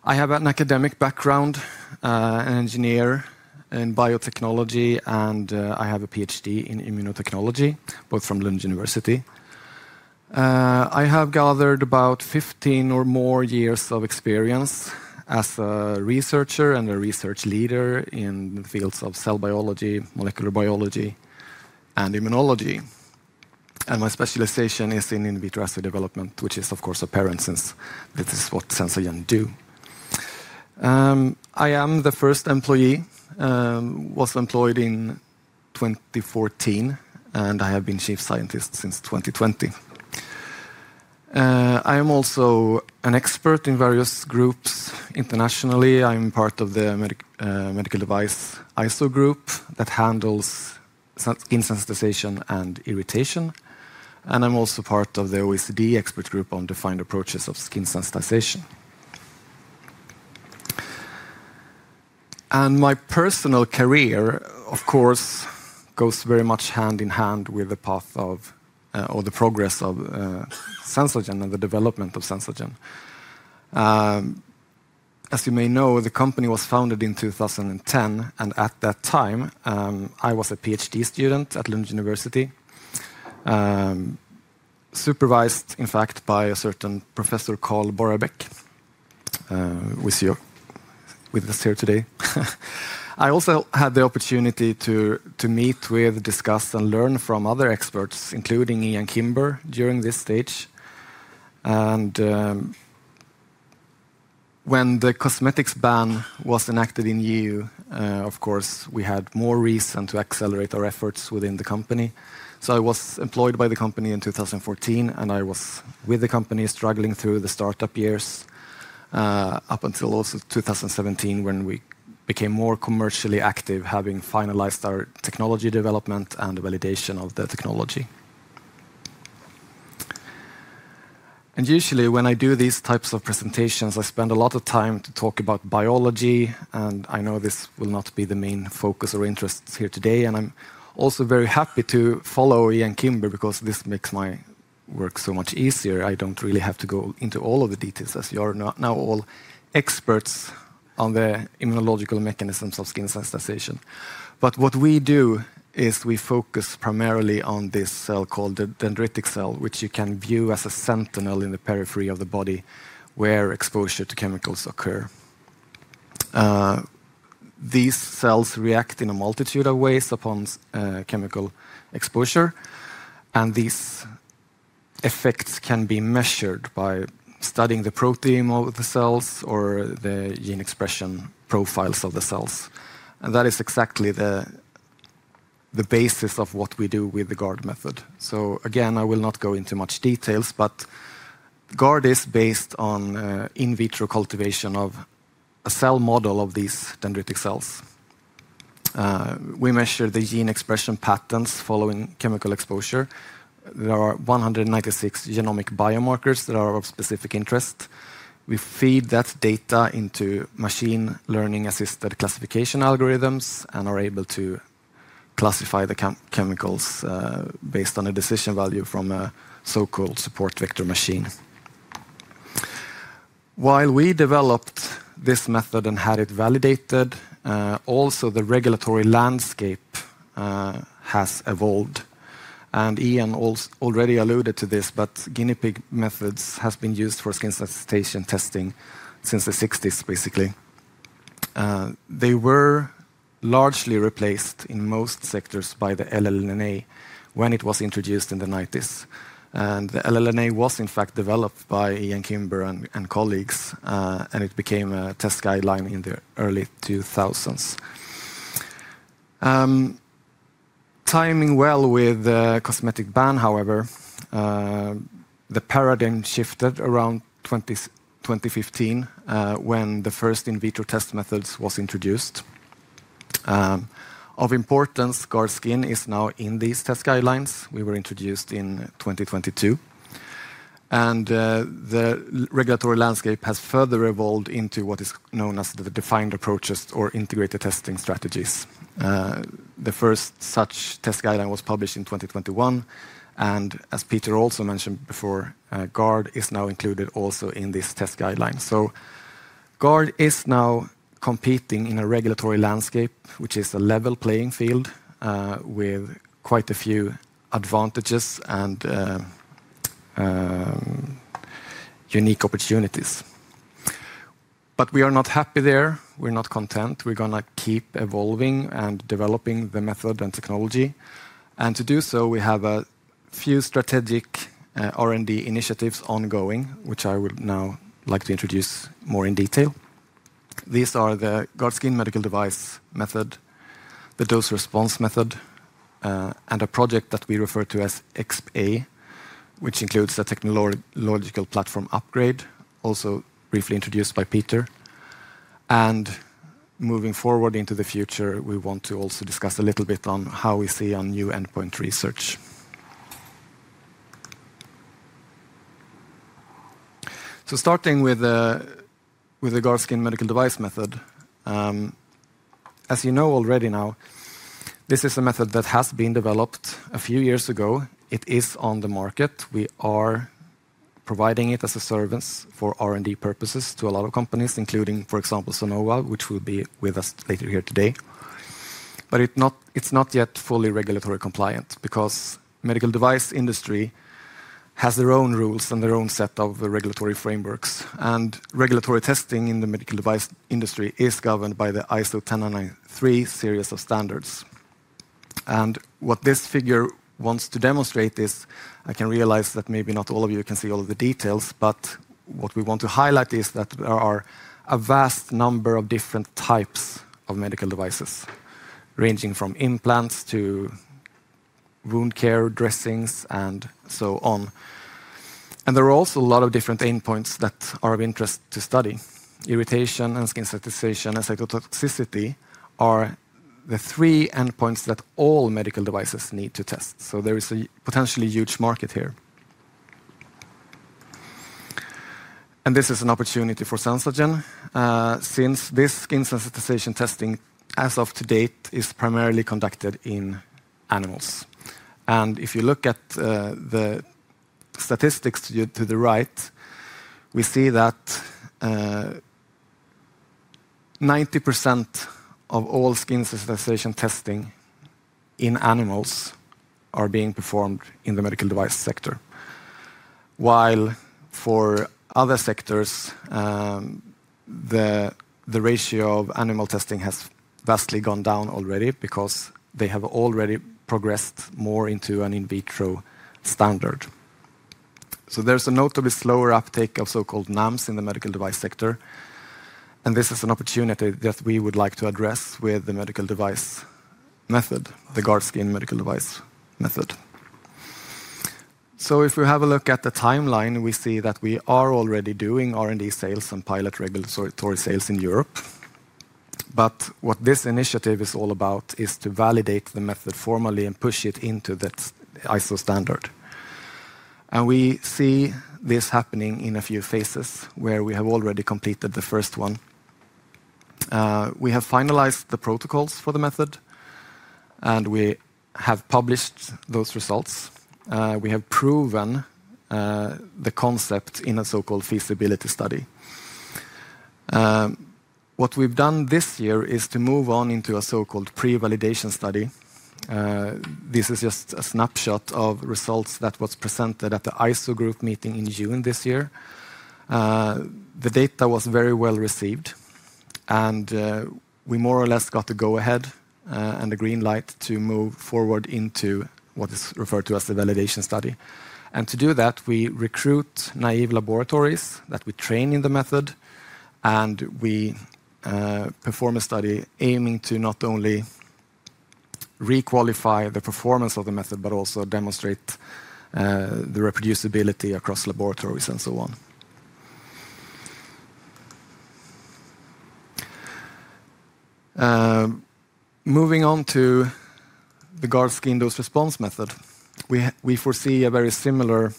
I have an academic background, an engineer in biotechnology, and I have a PhD in immunotechnology, both from Lund University. I have gathered about 15 or more years of experience as a researcher and a research leader in the fields of cell biology, molecular biology, and immunology. My specialization is in in vitro assay development, which is, of course, apparent since this is what SenzaGen do. I am the first employee, was employed in 2014, and I have been Chief Scientist since 2020. I am also an expert in various groups internationally. I am part of the Medical Device ISO group that handles skin sensitization and irritation. I am also part of the OECD expert group on defined approaches of skin sensitization. My personal career, of course, goes very much hand in hand with the path of, or the progress of SenzaGen and the development of SenzaGen. As you may know, the company was founded in 2010, and at that time, I was a PhD student at Lund University, supervised, in fact, by a certain Professor Carl Borrebaeck, with us here today. I also had the opportunity to meet with, discuss, and learn from other experts, including Ian Kimber, during this stage. When the cosmetics ban was enacted in EU, of course, we had more reason to accelerate our efforts within the company. I was employed by the company in 2014, and I was with the company struggling through the startup years up until also 2017, when we became more commercially active, having finalized our technology development and the validation of the technology. Usually, when I do these types of presentations, I spend a lot of time to talk about biology, and I know this will not be the main focus or interest here today. I am also very happy to follow Ian Kimber because this makes my work so much easier. I do not really have to go into all of the details, as you are now all experts on the immunological mechanisms of skin sensitization. What we do is we focus primarily on this cell called the dendritic cell, which you can view as a sentinel in the periphery of the body where exposure to chemicals occurs. These cells react in a multitude of ways upon chemical exposure, and these effects can be measured by studying the protein of the cells or the gene expression profiles of the cells. That is exactly the basis of what we do with the GARD method. Again, I will not go into much detail, but GARD is based on in vitro cultivation of a cell model of these dendritic cells. We measure the gene expression patterns following chemical exposure. There are 196 genomic biomarkers that are of specific interest. We feed that data into machine learning-assisted classification algorithms and are able to classify the chemicals based on a decision value from a so-called support vector machine. While we developed this method and had it validated, also the regulatory landscape has evolved. Ian already alluded to this, but Guinea Pig methods have been used for skin sensitization testing since the 1960s, basically. They were largely replaced in most sectors by the LLNA when it was introduced in the 1990s. The LLNA was, in fact, developed by Ian Kimber and colleagues, and it became a test guideline in the early 2000s. Timing well with the cosmetic ban, however, the paradigm shifted around 2015 when the first in vitro test methods were introduced. Of importance, GARD skin is now in these test guidelines. We were introduced in 2022. The regulatory landscape has further evolved into what is known as the defined approaches or integrated testing strategies. The first such test guideline was published in 2021. As Peter also mentioned before, GARD is now included also in this test guideline. GARD is now competing in a regulatory landscape, which is a level playing field with quite a few advantages and unique opportunities. We are not happy there. We are not content. We are going to keep evolving and developing the method and technology. To do so, we have a few strategic R&D initiatives ongoing, which I would now like to introduce more in detail. These are the GARD skin medical device method, the dose response method, and a project that we refer to as XP, which includes a technological platform upgrade, also briefly introduced by Peter. Moving forward into the future, we want to also discuss a little bit on how we see our new endpoint research. Starting with the GARD skin medical device method, as you know already now, this is a method that has been developed a few years ago. It is on the market. We are providing it as a service for R&D purposes to a lot of companies, including, for example, Sonova, which will be with us later here today. It is not yet fully regulatory compliant because the medical device industry has their own rules and their own set of regulatory frameworks. Regulatory testing in the medical device industry is governed by the ISO 10993 series of standards. What this figure wants to demonstrate is, I can realize that maybe not all of you can see all of the details, but what we want to highlight is that there are a vast number of different types of medical devices, ranging from implants to wound care dressings and so on. There are also a lot of different endpoints that are of interest to study. Irritation and skin sensitization and cytotoxicity are the three endpoints that all medical devices need to test. There is a potentially huge market here. This is an opportunity for SenzaGen since this skin sensitization testing, as of today, is primarily conducted in animals. If you look at the statistics to the right, we see that 90% of all skin sensitization testing in animals are being performed in the medical device sector. While for other sectors, the ratio of animal testing has vastly gone down already because they have already progressed more into an in vitro standard. There is a notably slower uptake of so-called NAMs in the medical device sector. This is an opportunity that we would like to address with the medical device method, the GARD skin medical device method. If we have a look at the timeline, we see that we are already doing R&D sales and pilot regulatory sales in Europe. What this initiative is all about is to validate the method formally and push it into the ISO standard. We see this happening in a few phases where we have already completed the first one. We have finalized the protocols for the method, and we have published those results. We have proven the concept in a so-called feasibility study. What we've done this year is to move on into a so-called pre-validation study. This is just a snapshot of results that were presented at the ISO group meeting in June this year. The data was very well received, and we more or less got the go-ahead and the green light to move forward into what is referred to as the validation study. To do that, we recruit naive laboratories that we train in the method, and we perform a study aiming to not only requalify the performance of the method, but also demonstrate the reproducibility across laboratories and so on. Moving on to the GARD skin dose response method, we foresee a very similar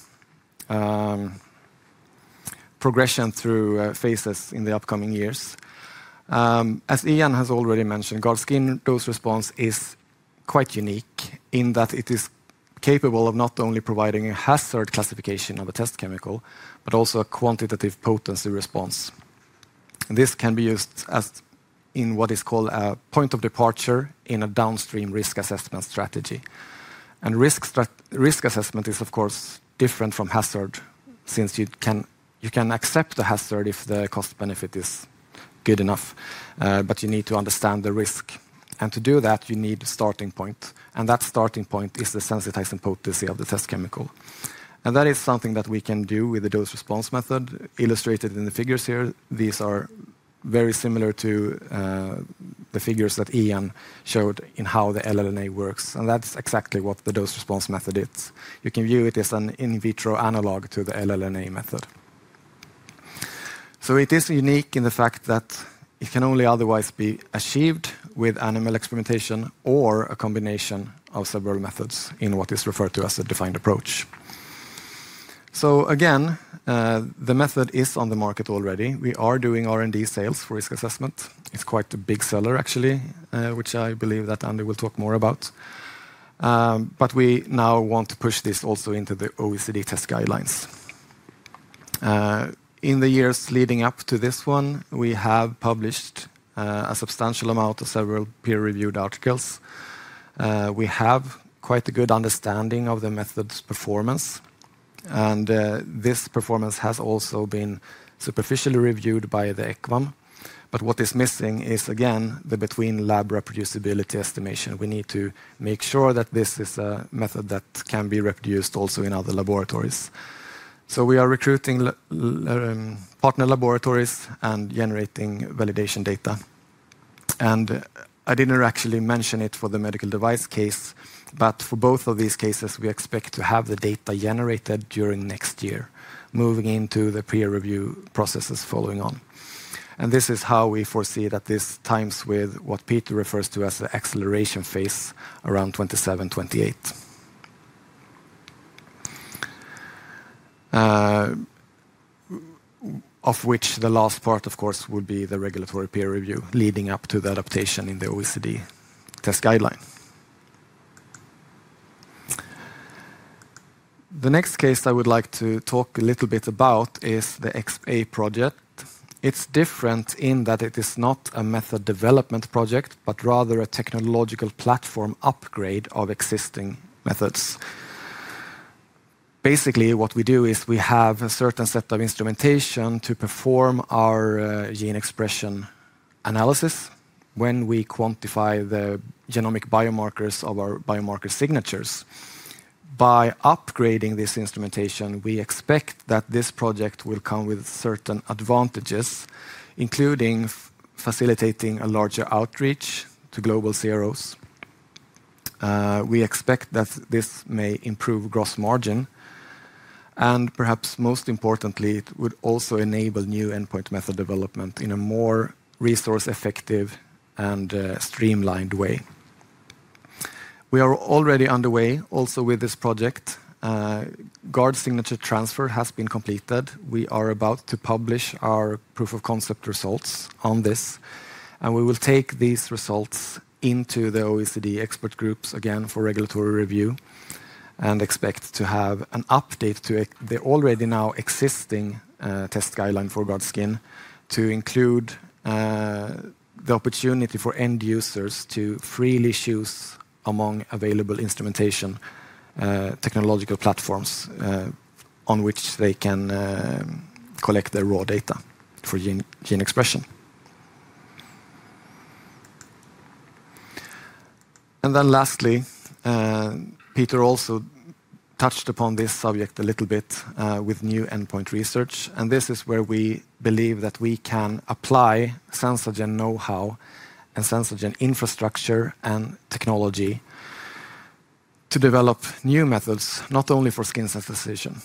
progression through phases in the upcoming years. As Ian has already mentioned, GARD skin dose response is quite unique in that it is capable of not only providing a hazard classification of a test chemical, but also a quantitative potency response. This can be used in what is called a point of departure in a downstream risk assessment strategy. Risk assessment is, of course, different from hazard since you can accept the hazard if the cost-benefit is good enough, but you need to understand the risk. To do that, you need a starting point. That starting point is the sensitizing potency of the test chemical. That is something that we can do with the dose response method illustrated in the figures here. These are very similar to the figures that Ian showed in how the LLNA works. That is exactly what the dose response method is. You can view it as an in vitro analogue to the LLNA method. It is unique in the fact that it can only otherwise be achieved with animal experimentation or a combination of several methods in what is referred to as a defined approach. The method is on the market already. We are doing R&D sales for risk assessment. It's quite a big seller, actually, which I believe that Andy will talk more about. We now want to push this also into the OECD test guidelines. In the years leading up to this one, we have published a substantial amount of several peer-reviewed articles. We have quite a good understanding of the method's performance. This performance has also been superficially reviewed by theSCHWAB. What is missing is, again, the between-lab reproducibility estimation. We need to make sure that this is a method that can be reproduced also in other laboratories. We are recruiting partner laboratories and generating validation data. I did not actually mention it for the medical device case, but for both of these cases, we expect to have the data generated during next year, moving into the peer review processes following on. This is how we foresee that this times with what Peter Nählstedt refers to as the acceleration phase around 2027-2028, of which the last part, of course, would be the regulatory peer review leading up to the adaptation in the OECD test guideline. The next case I would like to talk a little bit about is the XP project. It's different in that it is not a method development project, but rather a technological platform upgrade of existing methods. Basically, what we do is we have a certain set of instrumentation to perform our gene expression analysis when we quantify the genomic biomarkers of our biomarker signatures. By upgrading this instrumentation, we expect that this project will come with certain advantages, including facilitating a larger outreach to global CROs. We expect that this may improve gross margin. Perhaps most importantly, it would also enable new endpoint method development in a more resource-effective and streamlined way. We are already underway also with this project. GARD signature transfer has been completed. We are about to publish our proof of concept results on this. We will take these results into the OECD expert groups again for regulatory review and expect to have an update to the already now existing test guideline for GARD skin to include the opportunity for end users to freely choose among available instrumentation technological platforms on which they can collect their raw data for gene expression. Lastly, Peter also touched upon this subject a little bit with new endpoint research. This is where we believe that we can apply SenzaGen know-how and SenzaGen infrastructure and technology to develop new methods, not only for skin sensitization,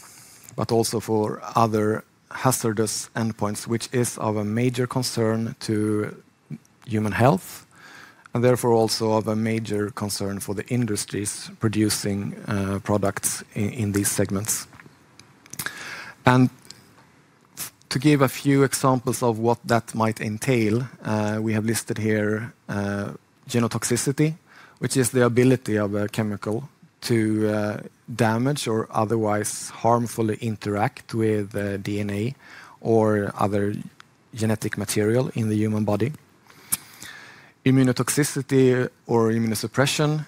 but also for other hazardous endpoints, which is of a major concern to human health and therefore also of a major concern for the industries producing products in these segments. To give a few examples of what that might entail, we have listed here genotoxicity, which is the ability of a chemical to damage or otherwise harmfully interact with DNA or other genetic material in the human body. Immunotoxicity or immunosuppression,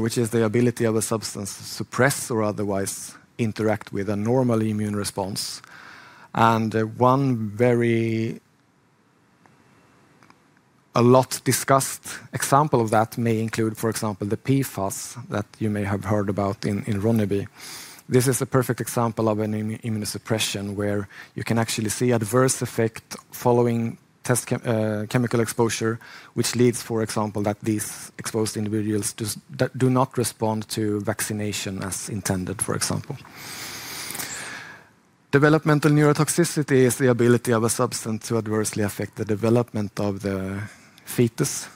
which is the ability of a substance to suppress or otherwise interact with a normal immune response. One very a lot discussed example of that may include, for example, the PFAS that you may have heard about in Ronneby. This is a perfect example of an immunosuppression where you can actually see adverse effects following chemical exposure, which leads, for example, that these exposed individuals do not respond to vaccination as intended, for example. Developmental neurotoxicity is the ability of a substance to adversely affect the development of the fetus.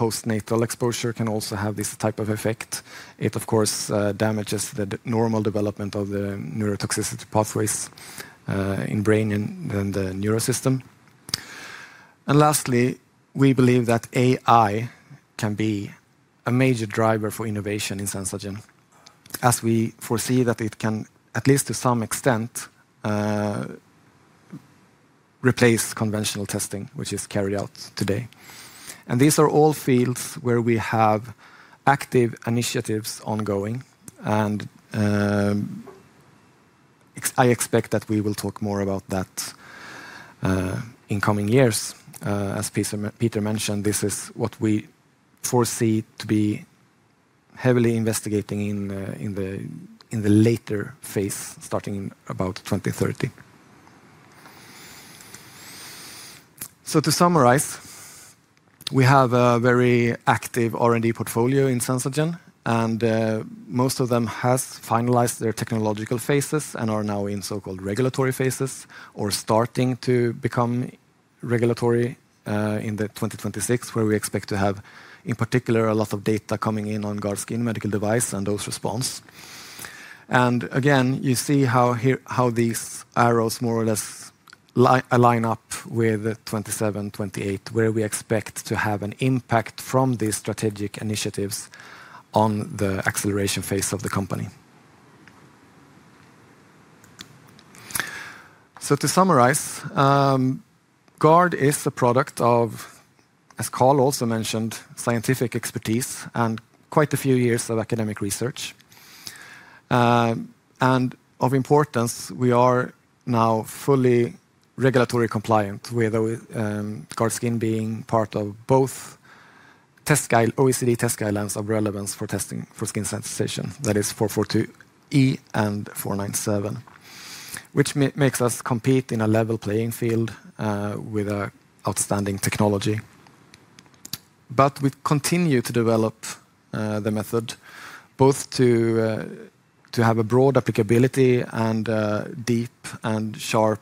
Postnatal exposure can also have this type of effect. It, of course, damages the normal development of the neurotoxicity pathways in the brain and then the neurosystem. Lastly, we believe that AI can be a major driver for innovation in SenzaGen, as we foresee that it can, at least to some extent, replace conventional testing, which is carried out today. These are all fields where we have active initiatives ongoing. I expect that we will talk more about that in coming years. As Peter mentioned, this is what we foresee to be heavily investigating in the later phase, starting about 2030. To summarize, we have a very active R&D portfolio in SenzaGen, and most of them have finalized their technological phases and are now in so-called regulatory phases or starting to become regulatory in 2026, where we expect to have, in particular, a lot of data coming in on GARD skin medical device and dose response. Again, you see how these arrows more or less line up with 2027-2028, where we expect to have an impact from these strategic initiatives on the acceleration phase of the company. To summarize, GARD is a product of, as Karl also mentioned, scientific expertise and quite a few years of academic research. Of importance, we are now fully regulatory compliant, with GARD skin being part of both OECD test guidelines of relevance for skin sensitization, that is 442E and 497, which makes us compete in a level playing field with outstanding technology. We continue to develop the method, both to have a broad applicability and deep and sharp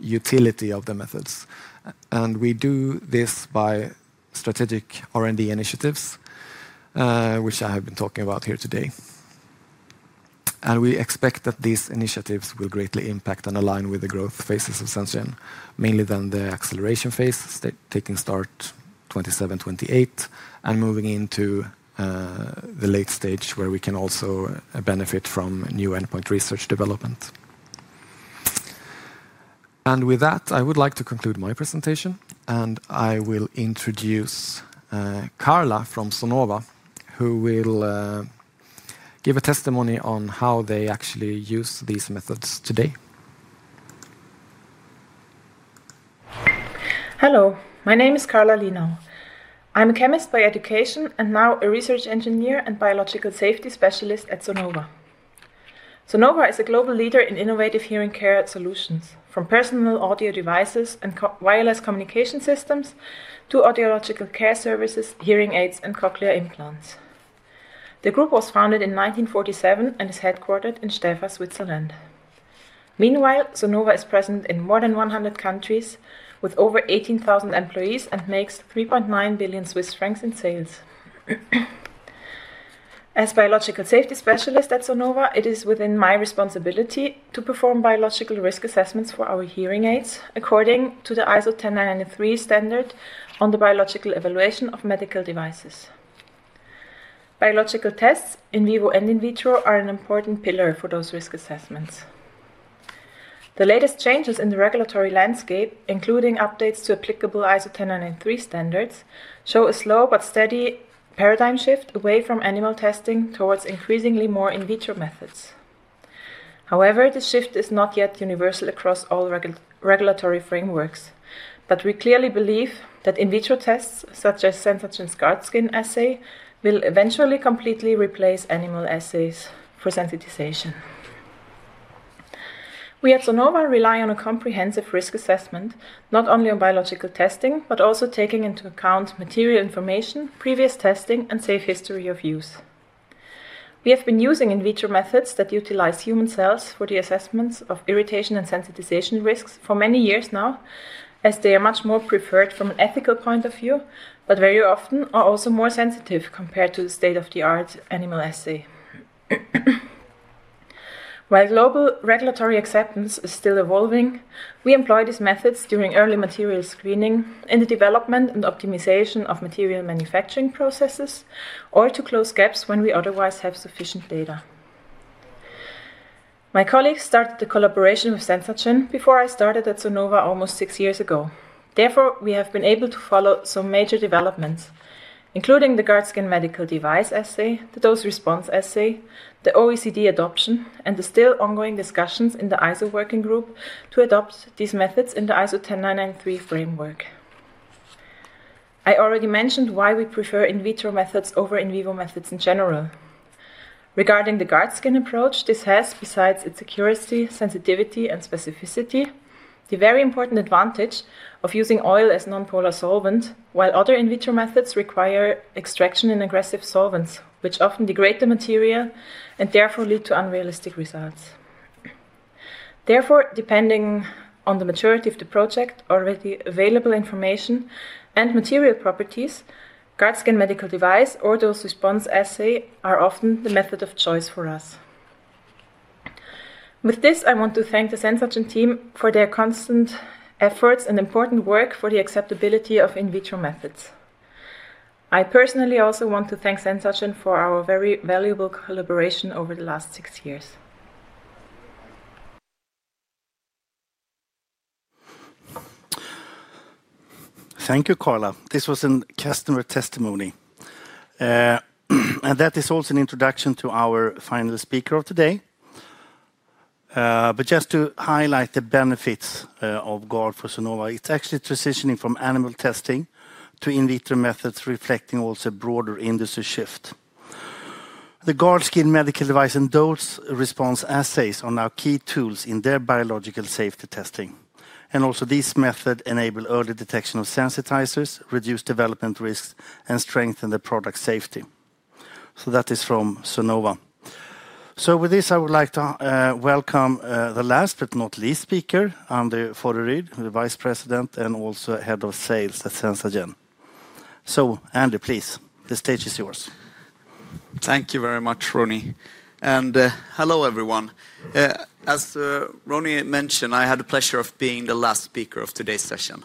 utility of the methods. We do this by strategic R&D initiatives, which I have been talking about here today. We expect that these initiatives will greatly impact and align with the growth phases of SenzaGen, mainly then the acceleration phase, taking start 2027-2028 and moving into the late stage where we can also benefit from new endpoint research development. With that, I would like to conclude my presentation, and I will introduce Karla from Sonova, who will give a testimony on how they actually use these methods today. Hello, my name is Karla Linow. I'm a chemist by education and now a research engineer and biological safety specialist at Sonova. Sonova is a global leader in innovative hearing care solutions, from personal audio devices and wireless communication systems to audiological care services, hearing aids, and cochlear implants. The group was founded in 1947 and is headquartered in Stäfa, Switzerland. Meanwhile, Sonova is present in more than 100 countries with over 18,000 employees and makes 3.9 billion Swiss francs in sales. As Biological Safety Specialist at Sonova, it is within my responsibility to perform biological risk assessments for our hearing aids according to the ISO 10993 standard on the biological evaluation of medical devices. Biological tests in vivo and in vitro are an important pillar for those risk assessments. The latest changes in the regulatory landscape, including updates to applicable ISO 10993 standards, show a slow but steady paradigm shift away from animal testing towards increasingly more in vitro methods. However, this shift is not yet universal across all regulatory frameworks, but we clearly believe that in vitro tests, such as SenzaGen's GARD skin assay, will eventually completely replace animal assays for sensitization. We at Sonova rely on a comprehensive risk assessment, not only on biological testing, but also taking into account material information, previous testing, and safe history of use. We have been using in vitro methods that utilize human cells for the assessments of irritation and sensitization risks for many years now, as they are much more preferred from an ethical point of view, but very often are also more sensitive compared to the state-of-the-art animal assay. While global regulatory acceptance is still evolving, we employ these methods during early material screening in the development and optimization of material manufacturing processes or to close gaps when we otherwise have sufficient data. My colleagues started the collaboration with SenzaGen before I started at Sonova almost six years ago. Therefore, we have been able to follow some major developments, including the GARD skin medical device assay, the dose response assay, the OECD adoption, and the still ongoing discussions in the ISO working group to adopt these methods in the ISO 10993 framework. I already mentioned why we prefer in vitro methods over in vivo methods in general. Regarding the GARD skin approach, this has, besides its security, sensitivity, and specificity, the very important advantage of using oil as a non-polar solvent, while other in vitro methods require extraction in aggressive solvents, which often degrade the material and therefore lead to unrealistic results. Therefore, depending on the maturity of the project, already available information, and material properties, GARD skin medical device or dose response assay are often the method of choice for us. With this, I want to thank the SenzaGen team for their constant efforts and important work for the acceptability of in vitro methods. I personally also want to thank SenzaGen for our very valuable collaboration over the last six years. Thank you, Karla. This was a customer testimony. That is also an introduction to our final speaker of today. Just to highlight the benefits of GARD for Sonova, it's actually transitioning from animal testing to in vitro methods, reflecting also a broader industry shift. The GARD skin medical device and dose response assays are now key tools in their biological safety testing. This method enables early detection of sensitizers, reduces development risks, and strengthens the product safety. That is from Sonova. With this, I would like to welcome the last but not least speaker, Anders Fodderid, the Vice President and also Head of Sales at SenzaGen. Anders, please, the stage is yours. Thank you very much, Rodd. Hello, everyone. As Rodd mentioned, I had the pleasure of being the last speaker of today's session.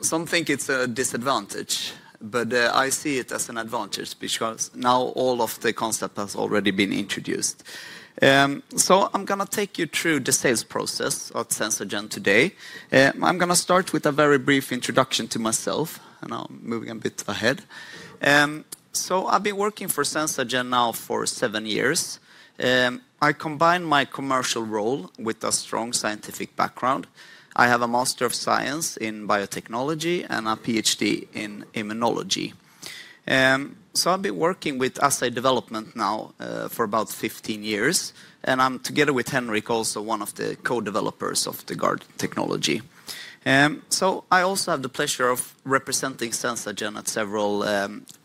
Some think it's a disadvantage, but I see it as an advantage because now all of the concept has already been introduced. I'm going to take you through the sales process at SenzaGen today. I'm going to start with a very brief introduction to myself, and I'm moving a bit ahead. I've been working for SenzaGen now for seven years. I combine my commercial role with a strong scientific background. I have a Master of Science in Biotechnology and a PhD in Immunology. I've been working with assay development now for about 15 years. I'm together with Henrik, also one of the co-developers of the GARD technology. I also have the pleasure of representing SenzaGen at several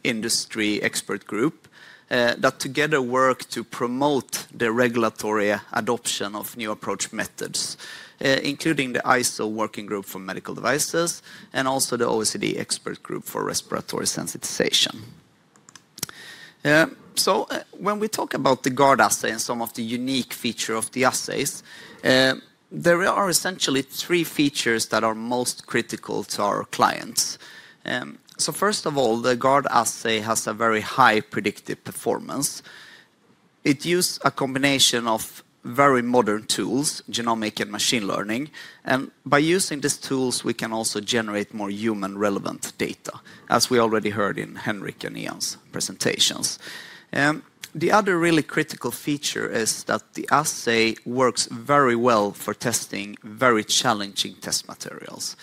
industry expert groups that together work to promote the regulatory adoption of new approach methods, including the ISO working group for medical devices and also the OECD expert group for respiratory sensitization. When we talk about the GARD assay and some of the unique features of the assays, there are essentially three features that are most critical to our clients. First of all, the GARD assay has a very high predictive performance. It uses a combination of very modern tools, genomic and machine learning. By using these tools, we can also generate more human-relevant data, as we already heard in Henrik and Ian's presentations. The other really critical feature is that the assay works very well for testing very challenging test materials.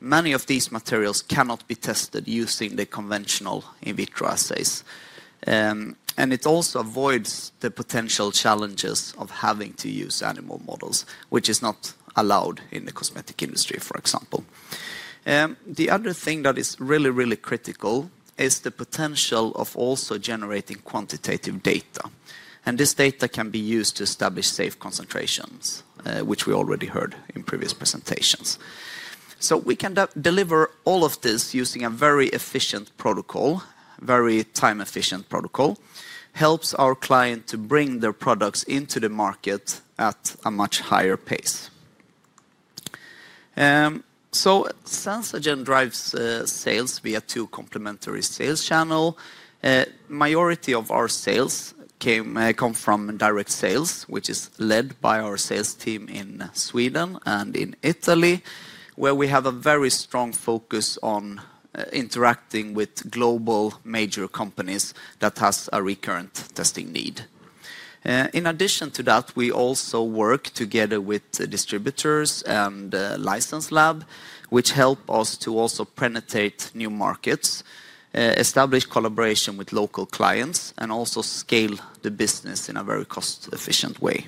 Many of these materials cannot be tested using the conventional in vitro assays. It also avoids the potential challenges of having to use animal models, which is not allowed in the cosmetic industry, for example. The other thing that is really, really critical is the potential of also generating quantitative data. This data can be used to establish safe concentrations, which we already heard in previous presentations. We can deliver all of this using a very efficient protocol, a very time-efficient protocol, which helps our client to bring their products into the market at a much higher pace. SenzaGen drives sales via two complementary sales channels. The majority of our sales come from direct sales, which is led by our sales team in Sweden and in Italy, where we have a very strong focus on interacting with global major companies that have a recurrent testing need. In addition to that, we also work together with distributors and license labs, which help us to also penetrate new markets, establish collaboration with local clients, and also scale the business in a very cost-efficient way.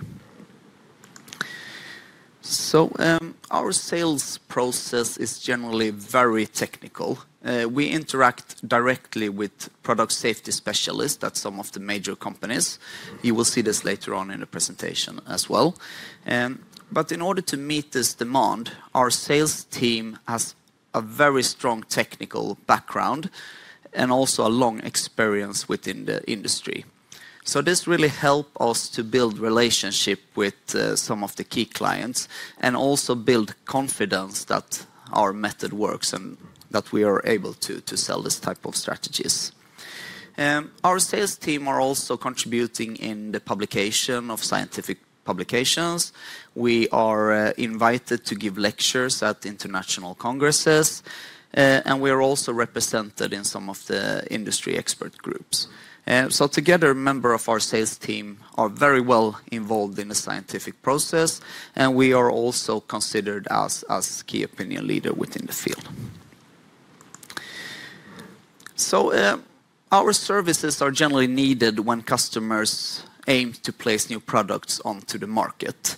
Our sales process is generally very technical. We interact directly with product safety specialists at some of the major companies. You will see this later on in the presentation as well. In order to meet this demand, our sales team has a very strong technical background and also a long experience within the industry. This really helps us to build relationships with some of the key clients and also build confidence that our method works and that we are able to sell this type of strategies. Our sales team is also contributing in the publication of scientific publications. We are invited to give lectures at international congresses, and we are also represented in some of the industry expert groups. Together, members of our sales team are very well involved in the scientific process, and we are also considered as a key opinion leader within the field. Our services are generally needed when customers aim to place new products onto the market.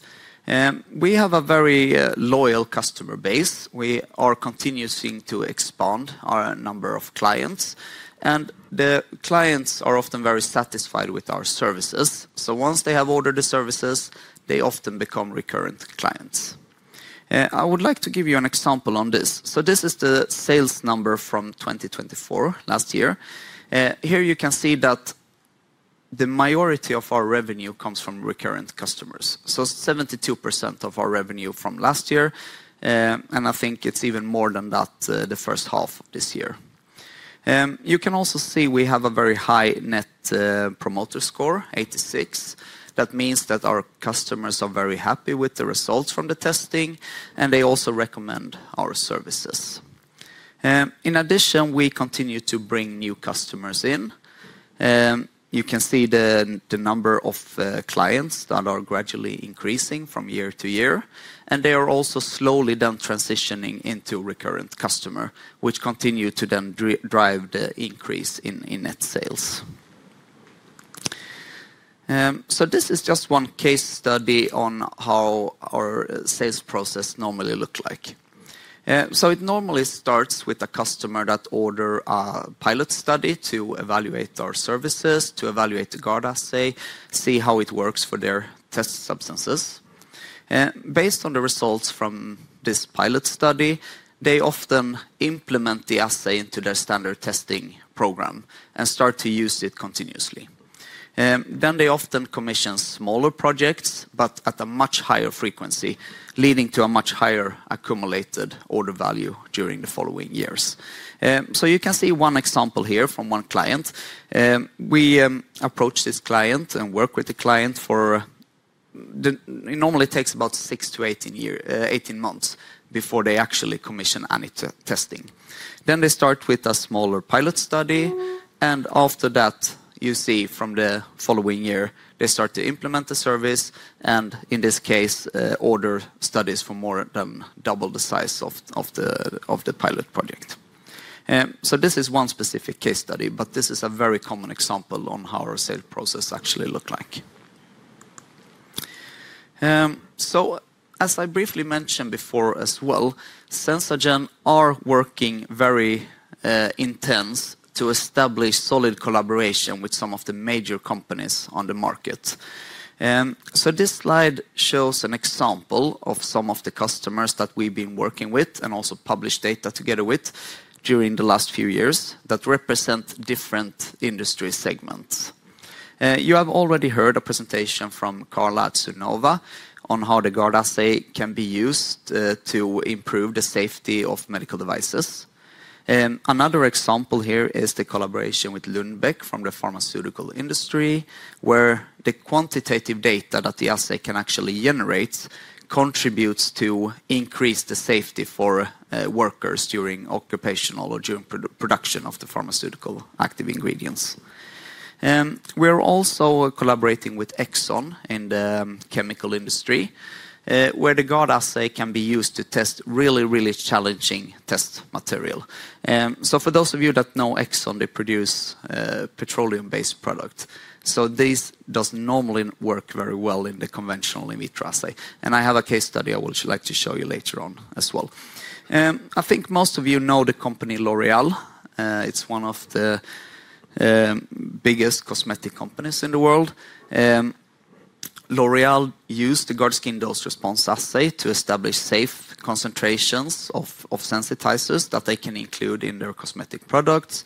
We have a very loyal customer base. We are continuing to expand our number of clients, and the clients are often very satisfied with our services. Once they have ordered the services, they often become recurrent clients. I would like to give you an example on this. This is the sales number from 2024, last year. Here you can see that the majority of our revenue comes from recurrent customers. 72% of our revenue from last year, and I think it is even more than that the first half of this year. You can also see we have a very high net promoter score, 86. That means that our customers are very happy with the results from the testing, and they also recommend our services. In addition, we continue to bring new customers in. You can see the number of clients that are gradually increasing from year to year. They are also slowly then transitioning into recurrent customers, which continue to then drive the increase in net sales. This is just one case study on how our sales process normally looks like. It normally starts with a customer that orders a pilot study to evaluate our services, to evaluate the GARD assay, see how it works for their test substances. Based on the results from this pilot study, they often implement the assay into their standard testing program and start to use it continuously. They often commission smaller projects, but at a much higher frequency, leading to a much higher accumulated order value during the following years. You can see one example here from one client. We approach this client and work with the client for it normally takes about 6-18 months before they actually commission any testing. Then they start with a smaller pilot study. After that, you see from the following year, they start to implement the service and, in this case, order studies for more than double the size of the pilot project. This is one specific case study, but this is a very common example on how our sales process actually looks like. As I briefly mentioned before as well, SenzaGen is working very intensely to establish solid collaboration with some of the major companies on the market. This slide shows an example of some of the customers that we've been working with and also published data together with during the last few years that represent different industry segments. You have already heard a presentation from Karla at Sonova on how the GARD assay can be used to improve the safety of medical devices. Another example here is the collaboration with Lundbeck from the pharmaceutical industry, where the quantitative data that the assay can actually generate contributes to increasing the safety for workers during occupational or during production of the pharmaceutical active ingredients. We are also collaborating with ExxonMobil in the chemical industry, where the GARD assay can be used to test really, really challenging test materials. For those of you that know ExxonMobil, they produce petroleum-based products. This does not normally work very well in the conventional in vitro assay. I have a case study I would like to show you later on as well. I think most of you know the company L’Oréal. It is one of the biggest cosmetic companies in the world. L’Oréal used the GARD skin dose response assay to establish safe concentrations of sensitizers that they can include in their cosmetic products.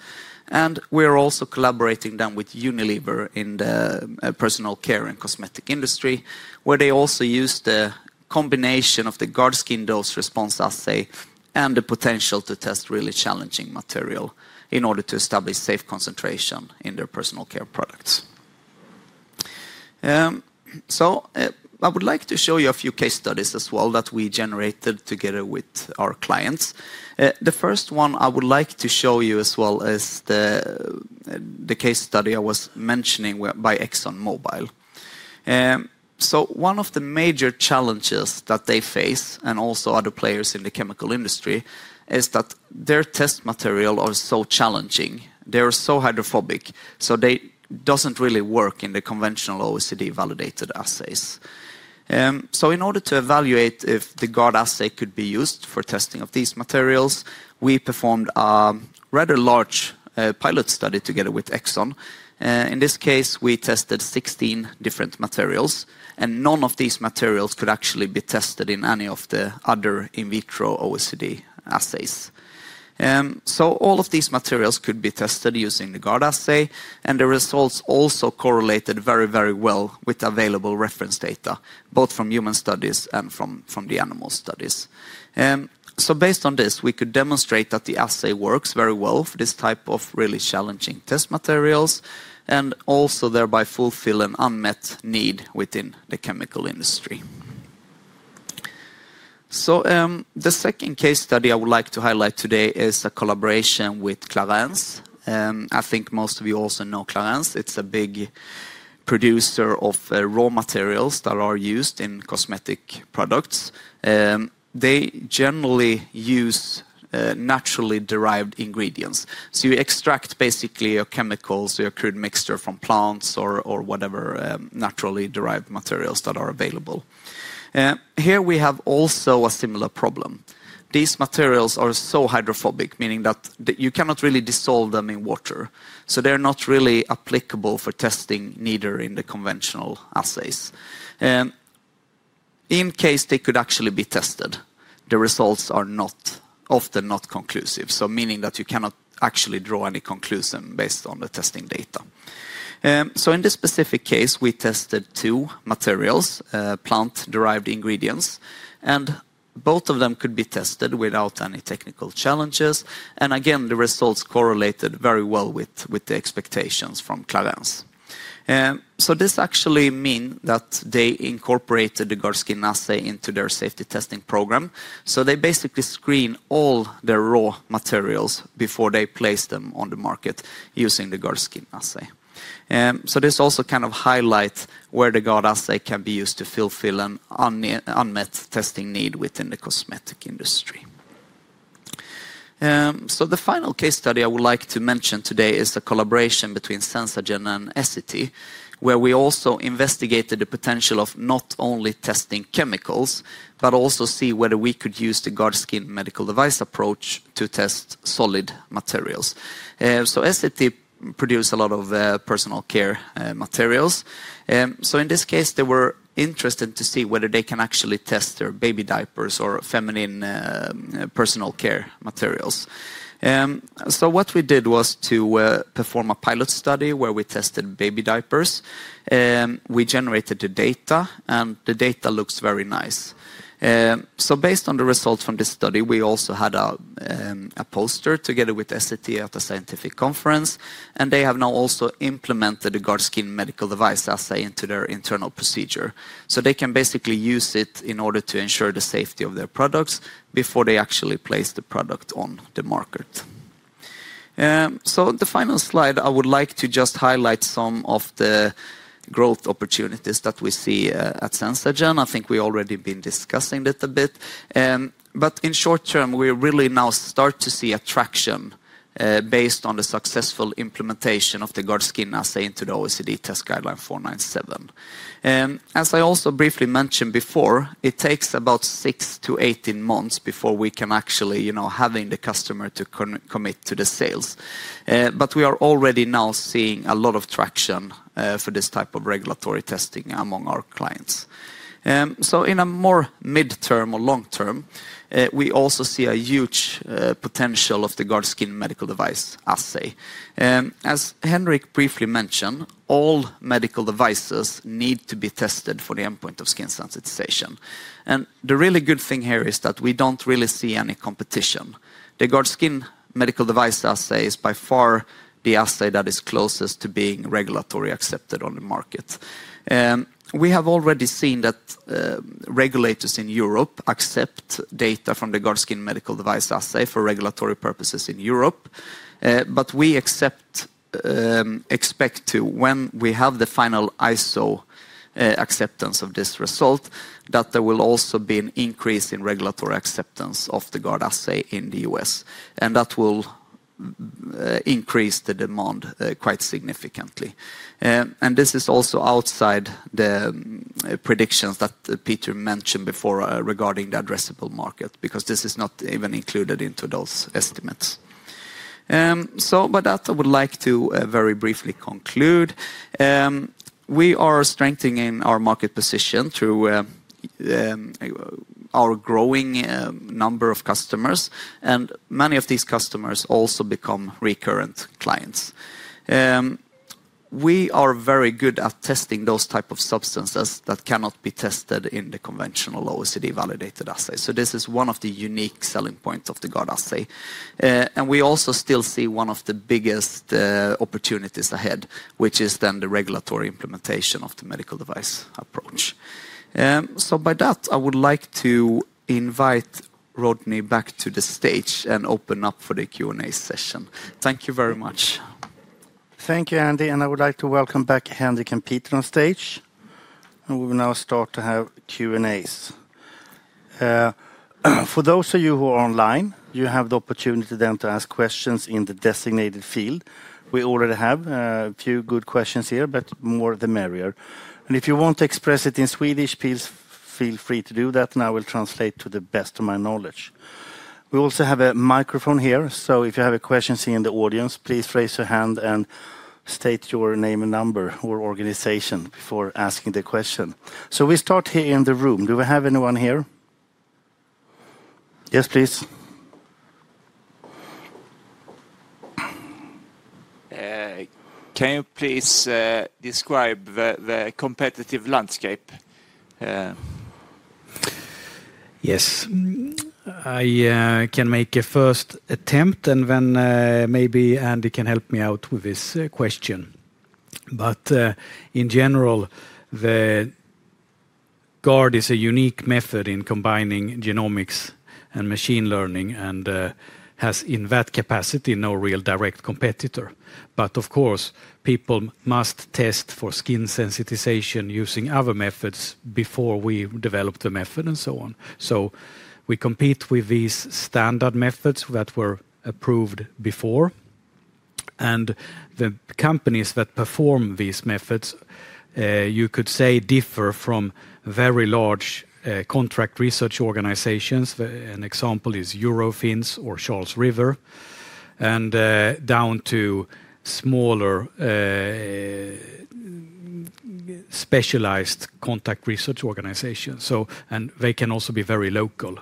We are also collaborating then with Unilever in the personal care and cosmetic industry, where they also use the combination of the GARD skin dose response assay and the potential to test really challenging material in order to establish safe concentration in their personal care products. I would like to show you a few case studies as well that we generated together with our clients. The first one I would like to show you as well is the case study I was mentioning by ExxonMobil. One of the major challenges that they face, and also other players in the chemical industry, is that their test materials are so challenging. They are so hydrophobic, so they do not really work in the conventional OECD-validated assays. In order to evaluate if the GARD assay could be used for testing of these materials, we performed a rather large pilot study together with ExxonMobil. In this case, we tested 16 different materials, and none of these materials could actually be tested in any of the other in vitro OECD assays. All of these materials could be tested using the GARD assay, and the results also correlated very, very well with available reference data, both from human studies and from the animal studies. Based on this, we could demonstrate that the assay works very well for this type of really challenging test materials and also thereby fulfill an unmet need within the chemical industry. The second case study I would like to highlight today is a collaboration with Clarins. I think most of you also know Clarins. It's a big producer of raw materials that are used in cosmetic products. They generally use naturally derived ingredients. You extract basically your chemicals, your crude mixture from plants or whatever naturally derived materials that are available. Here we have also a similar problem. These materials are so hydrophobic, meaning that you cannot really dissolve them in water. They're not really applicable for testing, neither in the conventional assays. In case they could actually be tested, the results are often not conclusive, meaning that you cannot actually draw any conclusion based on the testing data. In this specific case, we tested two materials, plant-derived ingredients, and both of them could be tested without any technical challenges. Again, the results correlated very well with the expectations from Clarins. This actually means that they incorporated the GARD skin assay into their safety testing program. They basically screen all their raw materials before they place them on the market using the GARD skin assay. This also kind of highlights where the GARD assay can be used to fulfill an unmet testing need within the cosmetic industry. The final case study I would like to mention today is a collaboration between SenzaGen and Essity, where we also investigated the potential of not only testing chemicals, but also seeing whether we could use the GARD skin medical device approach to test solid materials. Essity produces a lot of personal care materials. In this case, they were interested to see whether they can actually test their baby diapers or feminine personal care materials. What we did was to perform a pilot study where we tested baby diapers. We generated the data, and the data looks very nice. Based on the results from this study, we also had a poster together with Essity at a scientific conference, and they have now also implemented the GARD skin medical device assay into their internal procedure. They can basically use it in order to ensure the safety of their products before they actually place the product on the market. On the final slide, I would like to just highlight some of the growth opportunities that we see at SenzaGen. I think we've already been discussing it a bit. In short term, we really now start to see attraction based on the successful implementation of the GARD skin assay into the OECD test guideline 497. As I also briefly mentioned before, it takes about 6-18 months before we can actually have the customer commit to the sales. We are already now seeing a lot of traction for this type of regulatory testing among our clients. In a more midterm or long term, we also see a huge potential of the GARD skin medical device assay. As Henrik briefly mentioned, all medical devices need to be tested for the endpoint of skin sensitization. The really good thing here is that we do not really see any competition. The GARD skin medical device assay is by far the assay that is closest to being regulatory accepted on the market. We have already seen that regulators in Europe accept data from the GARD skin medical device assay for regulatory purposes in Europe. We expect to, when we have the final ISO acceptance of this result, that there will also be an increase in regulatory acceptance of the GARD assay in the U.S., and that will increase the demand quite significantly. This is also outside the predictions that Peter mentioned before regarding the addressable market, because this is not even included into those estimates. With that, I would like to very briefly conclude. We are strengthening our market position through our growing number of customers, and many of these customers also become recurrent clients. We are very good at testing those types of substances that cannot be tested in the conventional OECD-validated assay. This is one of the unique selling points of the GARD assay. We also still see one of the biggest opportunities ahead, which is then the regulatory implementation of the medical device approach. By that, I would like to invite Rodd Nahlveen back to the stage and open up for the Q&A session. Thank you very much. Thank you, Anki. I would like to welcome back Henrik and Peter on stage. We will now start to have Q&As. For those of you who are online, you have the opportunity then to ask questions in the designated field. We already have a few good questions here, but more the merrier. If you want to express it in Swedish, please feel free to do that, and I will translate to the best of my knowledge. We also have a microphone here, so if you have a question here in the audience, please raise your hand and state your name and number or organization before asking the question. We start here in the room. Do we have anyone here? Yes, please. Can you please describe the competitive landscape? Yes. I can make a first attempt, and then maybe Andy can help me out with this question. In general, the GARD is a unique method in combining genomics and machine learning and has, in that capacity, no real direct competitor. Of course, people must test for skin sensitization using other methods before we develop the method and so on. We compete with these standard methods that were approved before. The companies that perform these methods, you could say, differ from very large contract research organizations. An example is Eurofins or Charles River, and down to smaller specialized contract research organizations. They can also be very local.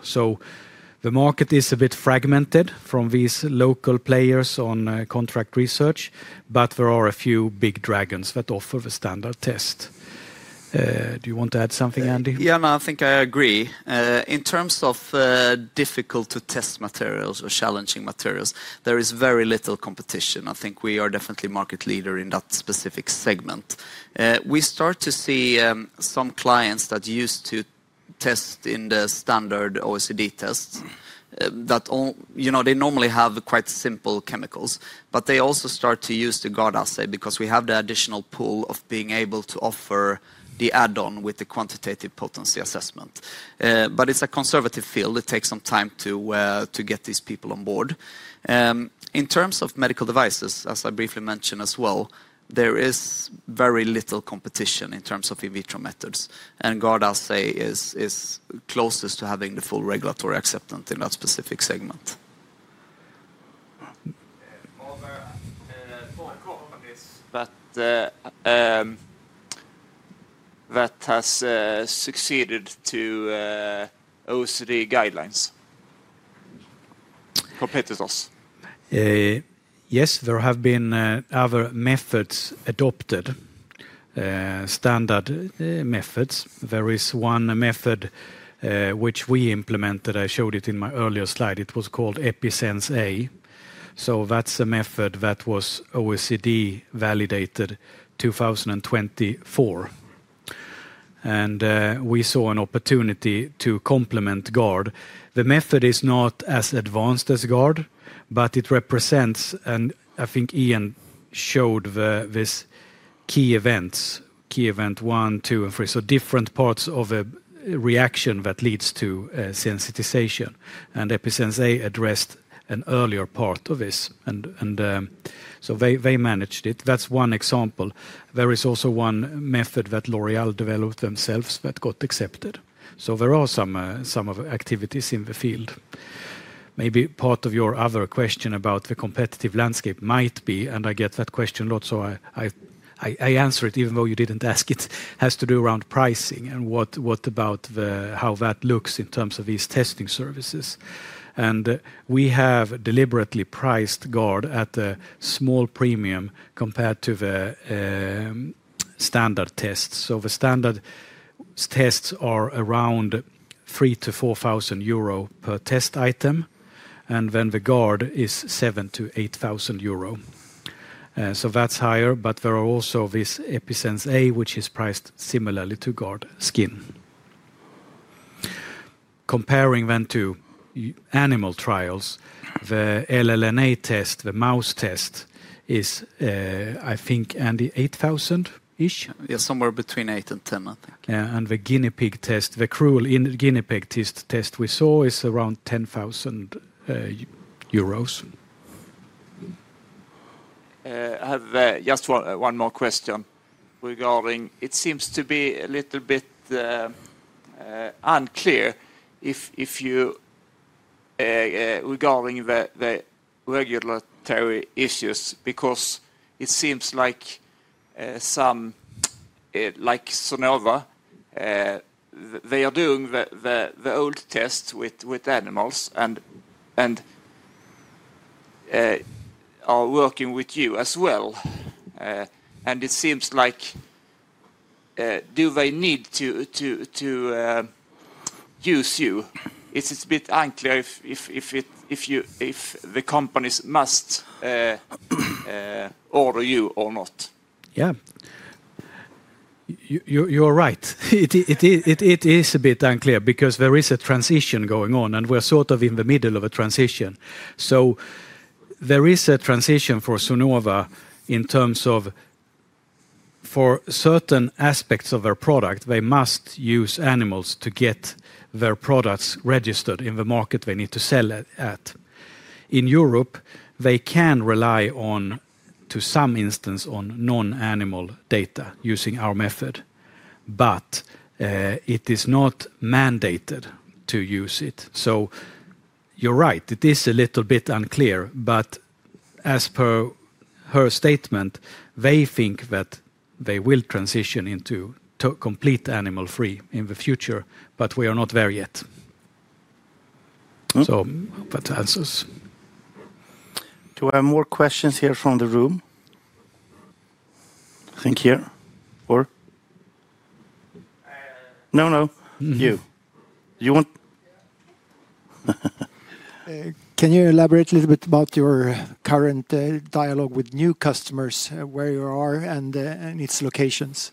The market is a bit fragmented from these local players on contract research, but there are a few big dragons that offer the standard test. Do you want to add something, Andy? Yeah, I think I agree. In terms of difficult-to-test materials or challenging materials, there is very little competition. I think we are definitely a market leader in that specific segment. We start to see some clients that used to test in the standard OECD tests that they normally have quite simple chemicals, but they also start to use the GARD assay because we have the additional pull of being able to offer the add-on with the quantitative potency assessment. But it's a conservative field. It takes some time to get these people on board. In terms of medical devices, as I briefly mentioned as well, there is very little competition in terms of in vitro methods, and GARD assay is closest to having the full regulatory acceptance in that specific segment. But has succeeded to OECD guidelines? Complete with us. Yes, there have been other methods adopted, standard methods. There is one method which we implemented. I showed it in my earlier slide. It was called EpiSensA. So that's a method that was OECD-validated 2024. We saw an opportunity to complement GARD. The method is not as advanced as GARD, but it represents, and I think Ian showed these key events, key event one, two, and three, so different parts of a reaction that leads to sensitization. EpiSensA addressed an earlier part of this, and they managed it. That's one example. There is also one method that L’Oréal developed themselves that got accepted. There are some activities in the field. Maybe part of your other question about the competitive landscape might be, and I get that question a lot, so I answer it even though you did not ask it, has to do around pricing and what about how that looks in terms of these testing services. We have deliberately priced GARD at a small premium compared to the standard tests. The standard tests are around 3,000-4,000 euro per test item, and then the GARD is 7,000-8,000 euro. That is higher, but there is also this EpiSensA, which is priced similarly to GARD skin. Comparing then to animal trials, the LLNA test, the mouse test is, I think, Andy, 8,000-ish? Yeah, somewhere between eight and 10, I think. The guinea pig test, the cruel guinea pig test we saw is around 10,000 euros. I have just one more question regarding, it seems to be a little bit unclear regarding the regulatory issues because it seems like some, like Sonova, they are doing the old tests with animals and are working with you as well. It seems like do they need to use you? It's a bit unclear if the companies must order you or not. Yeah. You're right. It is a bit unclear because there is a transition going on, and we're sort of in the middle of a transition. There is a transition for Sonova in terms of for certain aspects of their product, they must use animals to get their products registered in the market they need to sell at. In Europe, they can rely on, to some instance, on non-animal data using our method, but it is not mandated to use it. You're right, it is a little bit unclear, but as per her statement, they think that they will transition into complete animal-free in the future, but we are not there yet. That answers. Do I have more questions here from the room? I think here, or? No. You want? Can you elaborate a little bit about your current dialogue with new customers, where you are and its locations?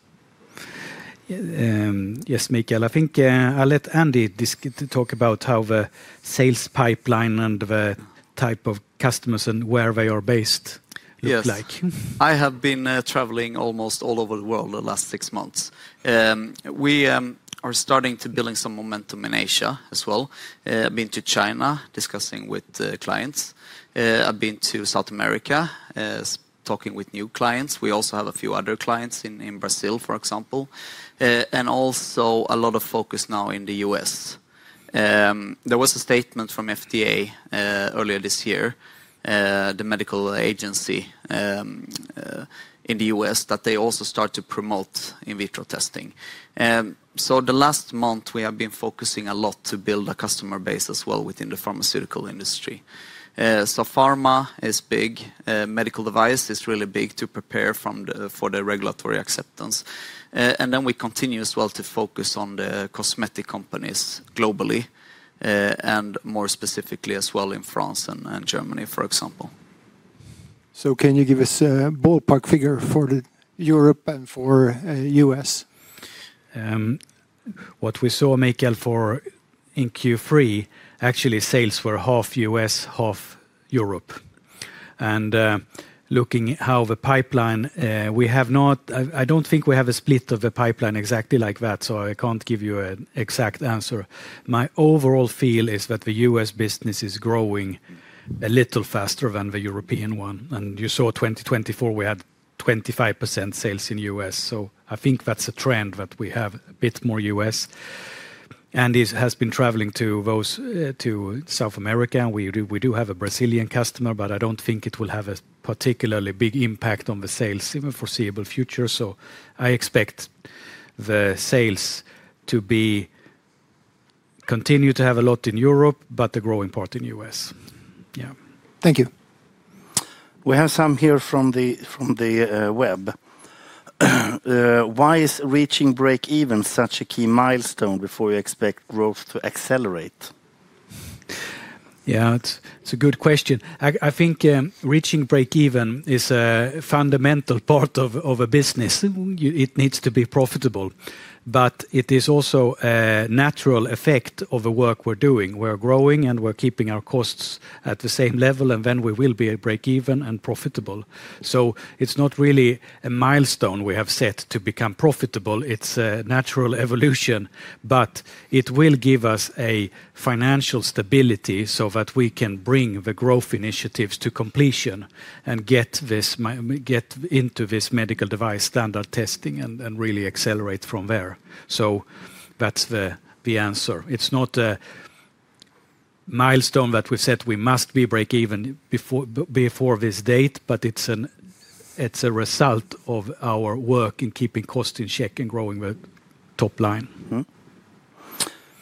Yes, Mikel. I think I'll let Andy talk about how the sales pipeline and the type of customers and where they are based looks like. Yes. I have been traveling almost all over the world the last six months. We are starting to build some momentum in Asia as well. I've been to China discussing with clients. I've been to South America talking with new clients. We also have a few other clients in Brazil, for example, and also a lot of focus now in the U.S. There was a statement from FDA earlier this year, the medical agency in the U.S., that they also start to promote in vitro testing. The last month, we have been focusing a lot to build a customer base as well within the pharmaceutical industry. Pharma is big. Medical device is really big to prepare for the regulatory acceptance. We continue as well to focus on the cosmetic companies globally and more specifically as well in France and Germany, for example. Can you give us a ballpark figure for Europe and for the U.S.? What we saw, Mikel, in Q3, actually sales were half US, half Europe. Looking at how the pipeline, we have not, I do not think we have a split of the pipeline exactly like that, so I cannot give you an exact answer. My overall feel is that the US business is growing a little faster than the European one. You saw 2024, we had 25% sales in the U.S. I think that is a trend that we have a bit more U.S. Andy has been traveling to South America. We do have a Brazilian customer, but I do not think it will have a particularly big impact on the sales in the foreseeable future. I expect the sales to continue to have a lot in Europe, but the growing part in the U.S. Yeah. Thank you. We have some here from the web. Why is reaching break-even such a key milestone before you expect growth to accelerate? Yeah, it's a good question. I think reaching break-even is a fundamental part of a business. It needs to be profitable, but it is also a natural effect of the work we're doing. We're growing and we're keeping our costs at the same level, and then we will be at break-even and profitable. It's not really a milestone we have set to become profitable. It's a natural evolution, but it will give us financial stability so that we can bring the growth initiatives to completion and get into this medical device standard testing and really accelerate from there. That's the answer. It's not a milestone that we've said we must be break-even before this date, but it's a result of our work in keeping costs in check and growing the top line.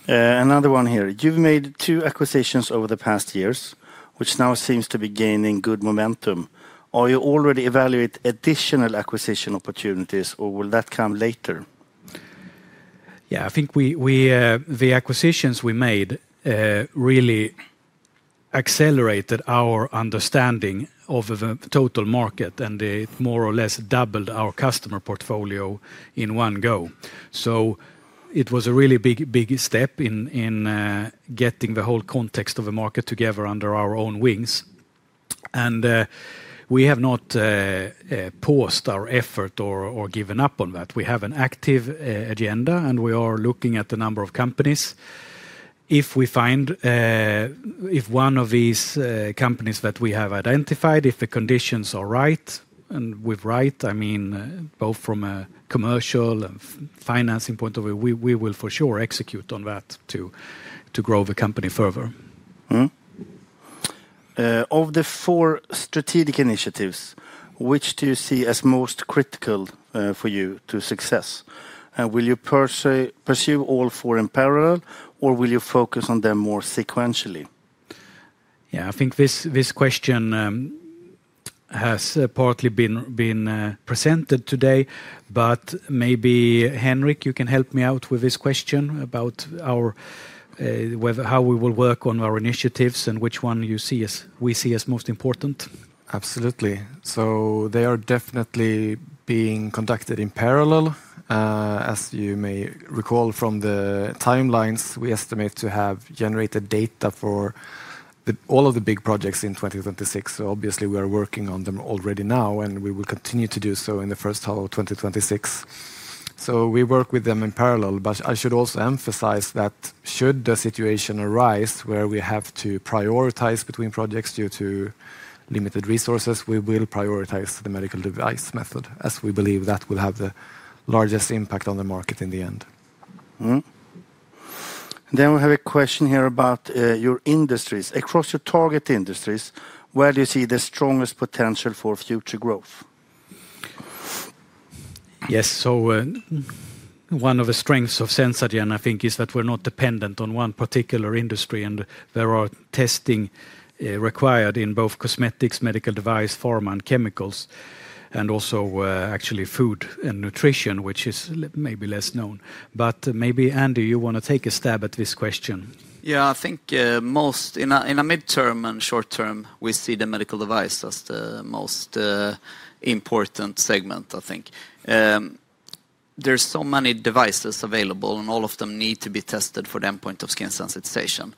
Another one here. You've made two acquisitions over the past years, which now seems to be gaining good momentum. Are you already evaluating additional acquisition opportunities, or will that come later? Yeah, I think the acquisitions we made really accelerated our understanding of the total market, and it more or less doubled our customer portfolio in one go. It was a really big step in getting the whole context of the market together under our own wings. We have not paused our effort or given up on that. We have an active agenda, and we are looking at a number of companies. If we find, if one of these companies that we have identified, if the conditions are right, and with right, I mean both from a commercial and financing point of view, we will for sure execute on that to grow the company further. Of the four strategic initiatives, which do you see as most critical for you to success? Will you pursue all four in parallel, or will you focus on them more sequentially? Yeah, I think this question has partly been presented today, but maybe Henrik, you can help me out with this question about how we will work on our initiatives and which one we see as most important. Absolutely. They are definitely being conducted in parallel. As you may recall from the timelines, we estimate to have generated data for all of the big projects in 2026. Obviously, we are working on them already now, and we will continue to do so in the first half of 2026. We work with them in parallel, but I should also emphasize that should the situation arise where we have to prioritize between projects due to limited resources, we will prioritize the medical device method, as we believe that will have the largest impact on the market in the end. We have a question here about your industries. Across your target industries, where do you see the strongest potential for future growth? Yes, so one of the strengths of SenzaGen, I think, is that we're not dependent on one particular industry, and there are testing required in both cosmetics, medical device, pharma, and chemicals, and also actually food and nutrition, which is maybe less known. But maybe Andy, you want to take a stab at this question. Yeah, I think most in the midterm and short term, we see the medical device as the most important segment, I think. There are so many devices available, and all of them need to be tested for the endpoint of skin sensitization.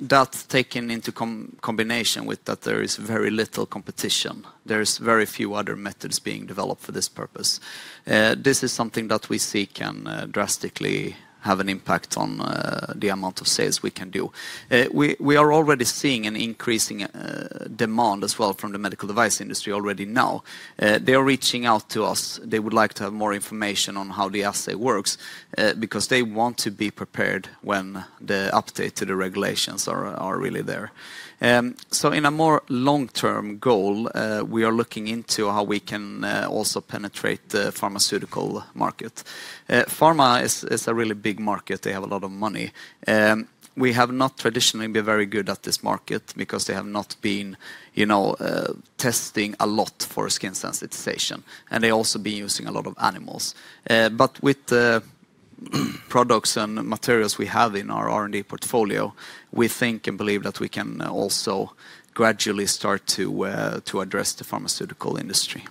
That is taken into combination with that there is very little competition. There are very few other methods being developed for this purpose. This is something that we see can drastically have an impact on the amount of sales we can do. We are already seeing an increasing demand as well from the medical device industry already now. They are reaching out to us. They would like to have more information on how the assay works because they want to be prepared when the update to the regulations are really there. In a more long-term goal, we are looking into how we can also penetrate the pharmaceutical market. Pharma is a really big market. They have a lot of money. We have not traditionally been very good at this market because they have not been testing a lot for skin sensitization, and they have also been using a lot of animals. With the products and materials we have in our R&D portfolio, we think and believe that we can also gradually start to address the pharmaceutical industry.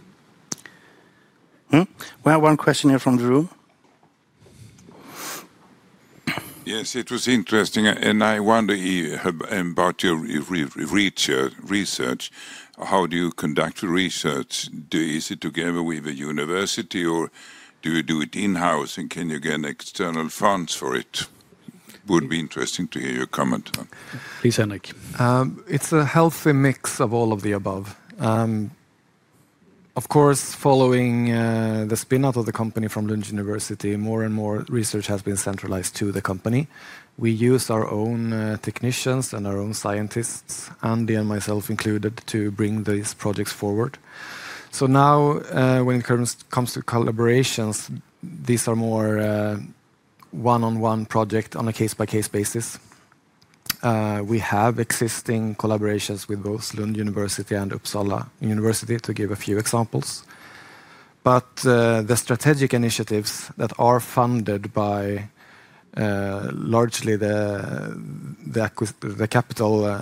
We have one question here from the room. Yes, it was interesting, and I wonder about your research. How do you conduct your research? Is it together with a university, or do you do it in-house, and can you get external funds for it? It would be interesting to hear your comment. Please, Henrik. It's a healthy mix of all of the above. Of course, following the spin-off of the company from Lund University, more and more research has been centralized to the company. We use our own technicians and our own scientists, Andy and myself included, to bring these projects forward. Now when it comes to collaborations, these are more one-on-one projects on a case-by-case basis. We have existing collaborations with both Lund University and Uppsala University to give a few examples. The strategic initiatives that are funded by largely the capital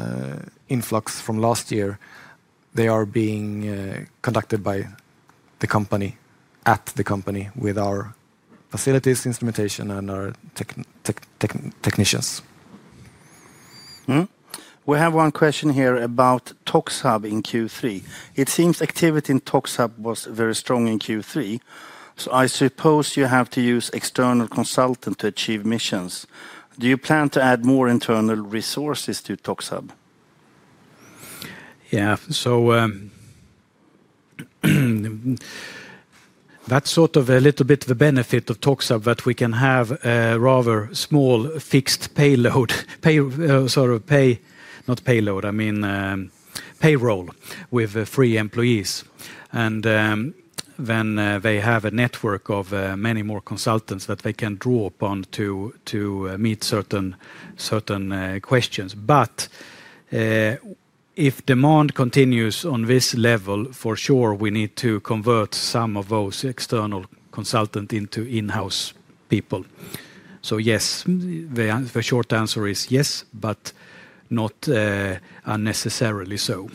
influx from last year, they are being conducted by the company at the company with our facilities, instrumentation, and our technicians. We have one question here about ToxHub in Q3. It seems activity in ToxHub was very strong in Q3, so I suppose you have to use external consultants to achieve missions. Do you plan to add more internal resources to ToxHub? Yeah, so that's sort of a little bit of the benefit of ToxHub that we can have a rather small fixed payroll, not payroll, I mean payroll with three employees. And then they have a network of many more consultants that they can draw upon to meet certain questions. If demand continues on this level, for sure we need to convert some of those external consultants into in-house people. Yes, the short answer is yes, but not unnecessarily so.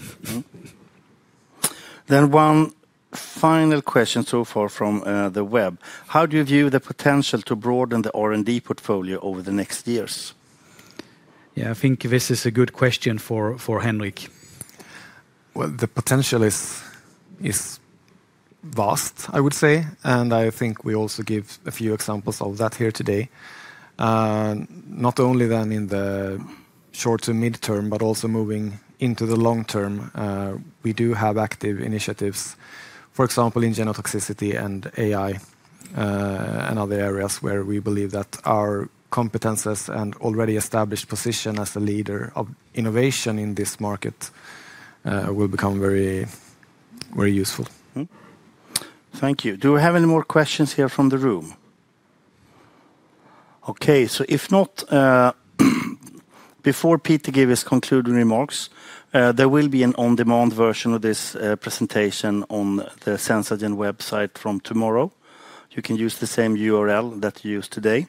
One final question so far from the web. How do you view the potential to broaden the R&D portfolio over the next years? Yeah, I think this is a good question for Henrik. The potential is vast, I would say, and I think we also give a few examples of that here today. Not only then in the short to midterm, but also moving into the long term, we do have active initiatives, for example, in genotoxicity and AI and other areas where we believe that our competences and already established position as a leader of innovation in this market will become very useful. Thank you. Do we have any more questions here from the room? Okay, if not, before Peter gives his concluding remarks, there will be an on-demand version of this presentation on the SenzaGen website from tomorrow. You can use the same URL that you used today.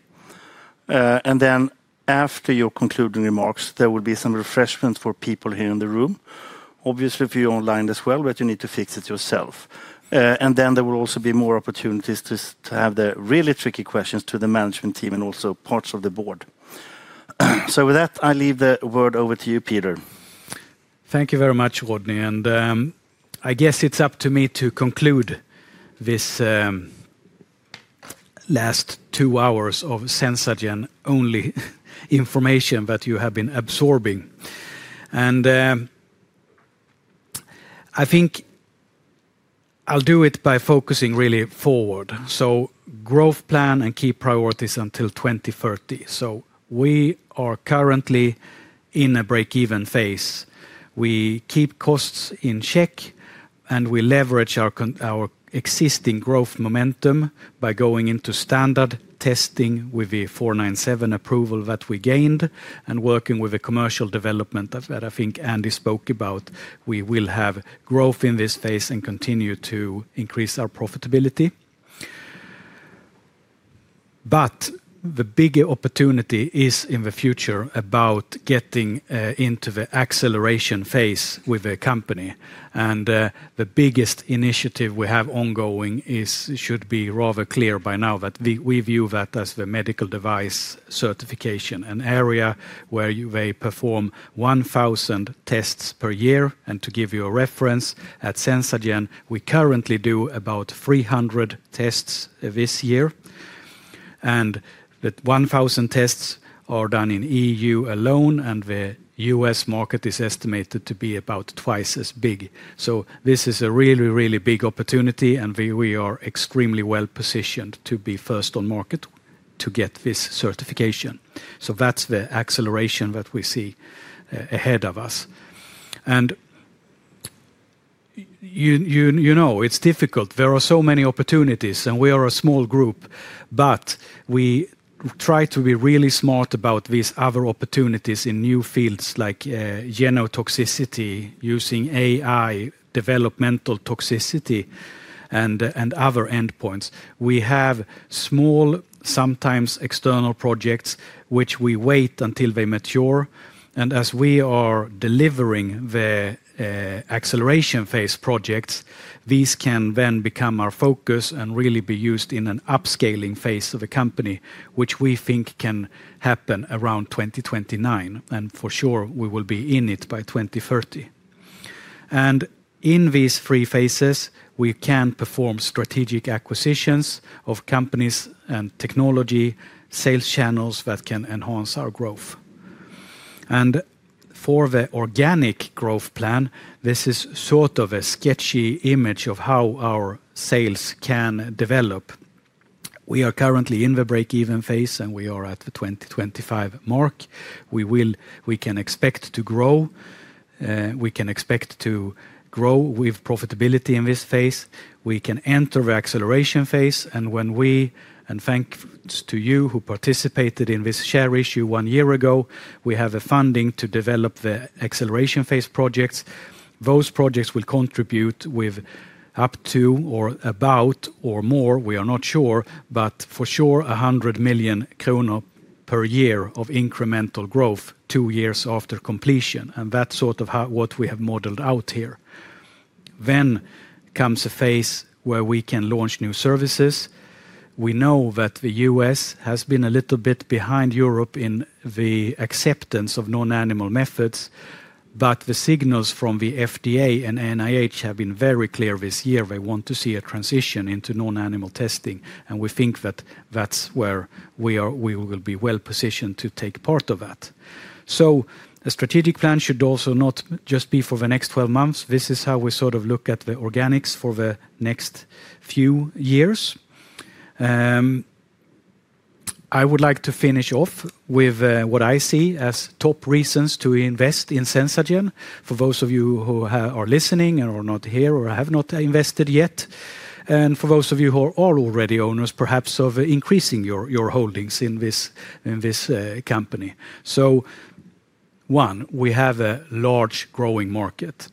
After your concluding remarks, there will be some refreshments for people here in the room. Obviously, if you're online as well, but you need to fix it yourself. There will also be more opportunities to have the really tricky questions to the management team and also parts of the board. With that, I leave the word over to you, Peter. Thank you very much, Rodd. I guess it's up to me to conclude this last two hours of SenzaGen-only information that you have been absorbing. I think I'll do it by focusing really forward. Growth plan and key priorities until 2030. We are currently in a break-even phase. We keep costs in check, and we leverage our existing growth momentum by going into standard testing with the 497 approval that we gained and working with the commercial development that I think Anders spoke about. We will have growth in this phase and continue to increase our profitability. The bigger opportunity is in the future about getting into the acceleration phase with the company. The biggest initiative we have ongoing should be rather clear by now that we view that as the medical device certification, an area where they perform 1,000 tests per year. To give you a reference, at SenzaGen, we currently do about 300 tests this year. The 1,000 tests are done in the EU alone, and the U.S. market is estimated to be about twice as big. This is a really, really big opportunity, and we are extremely well positioned to be first on market to get this certification. That is the acceleration that we see ahead of us. You know it's difficult. There are so many opportunities, and we are a small group, but we try to be really smart about these other opportunities in new fields like genotoxicity, using AI, developmental toxicity, and other endpoints. We have small, sometimes external projects which we wait until they mature. As we are delivering the acceleration phase projects, these can then become our focus and really be used in an upscaling phase of a company, which we think can happen around 2029. For sure, we will be in it by 2030. In these three phases, we can perform strategic acquisitions of companies and technology sales channels that can enhance our growth. For the organic growth plan, this is sort of a sketchy image of how our sales can develop. We are currently in the break-even phase, and we are at the 2025 mark. We can expect to grow. We can expect to grow with profitability in this phase. We can enter the acceleration phase. When we, and thanks to you who participated in this share issue one year ago, we have funding to develop the acceleration phase projects. Those projects will contribute with up to or about or more, we are not sure, but for sure 100 million kronor per year of incremental growth two years after completion. That is sort of what we have modeled out here. There comes a phase where we can launch new services. We know that the U.S. has been a little bit behind Europe in the acceptance of non-animal methods, but the signals from the FDA and NIH have been very clear this year. They want to see a transition into non-animal testing, and we think that is where we will be well positioned to take part of that. A strategic plan should also not just be for the next 12 months. This is how we sort of look at the organics for the next few years. I would like to finish off with what I see as top reasons to invest in SenzaGen for those of you who are listening or not here or have not invested yet. For those of you who are already owners, perhaps of increasing your holdings in this company. One, we have a large growing market,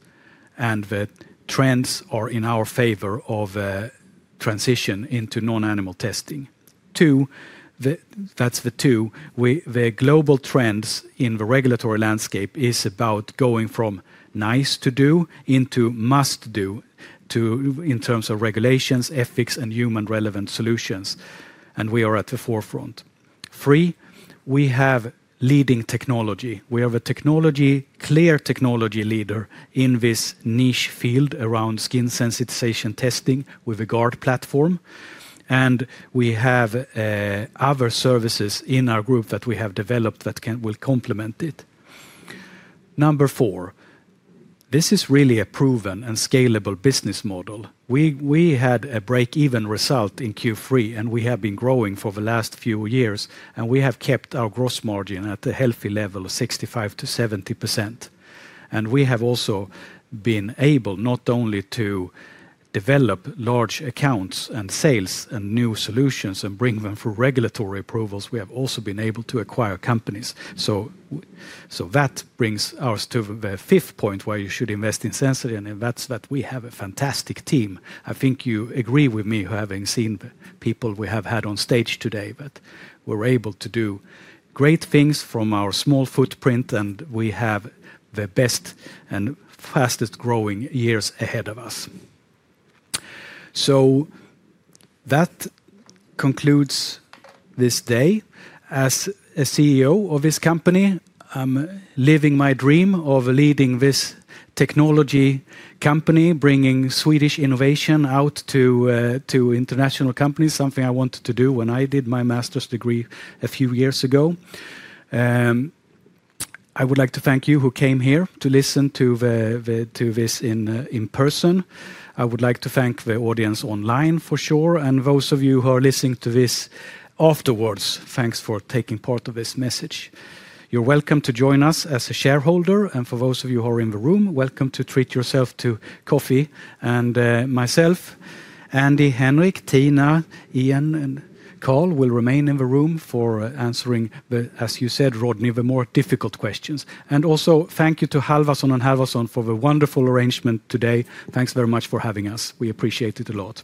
and the trends are in our favor of transition into non-animal testing. Two, the global trends in the regulatory landscape are about going from nice to do into must do in terms of regulations, ethics, and human-relevant solutions. We are at the forefront. Three, we have leading technology. We have a clear technology leader in this niche field around skin sensitization testing with a GARD platform. We have other services in our group that we have developed that will complement it. Number four, this is really a proven and scalable business model. We had a break-even result in Q3, and we have been growing for the last few years. We have kept our gross margin at a healthy level of 65-70%. We have also been able not only to develop large accounts and sales and new solutions and bring them through regulatory approvals, we have also been able to acquire companies. That brings us to the fifth point where you should invest in SenzaGen, and that is that we have a fantastic team. I think you agree with me, having seen the people we have had on stage today, that we are able to do great things from our small footprint, and we have the best and fastest growing years ahead of us. That concludes this day. As CEO of this company, I'm living my dream of leading this technology company, bringing Swedish innovation out to international companies, something I wanted to do when I did my master's degree a few years ago. I would like to thank you who came here to listen to this in person. I would like to thank the audience online for sure. Those of you who are listening to this afterwards, thanks for taking part of this message. You're welcome to join us as a shareholder. For those of you who are in the room, welcome to treat yourself to coffee. Myself, Andy, Henrik, Tina, Ian, and Karl will remain in the room for answering, as you said, Rodd, the more difficult questions. Also thank you to Halvason and Halvason for the wonderful arrangement today. Thanks very much for having us. We appreciate it a lot.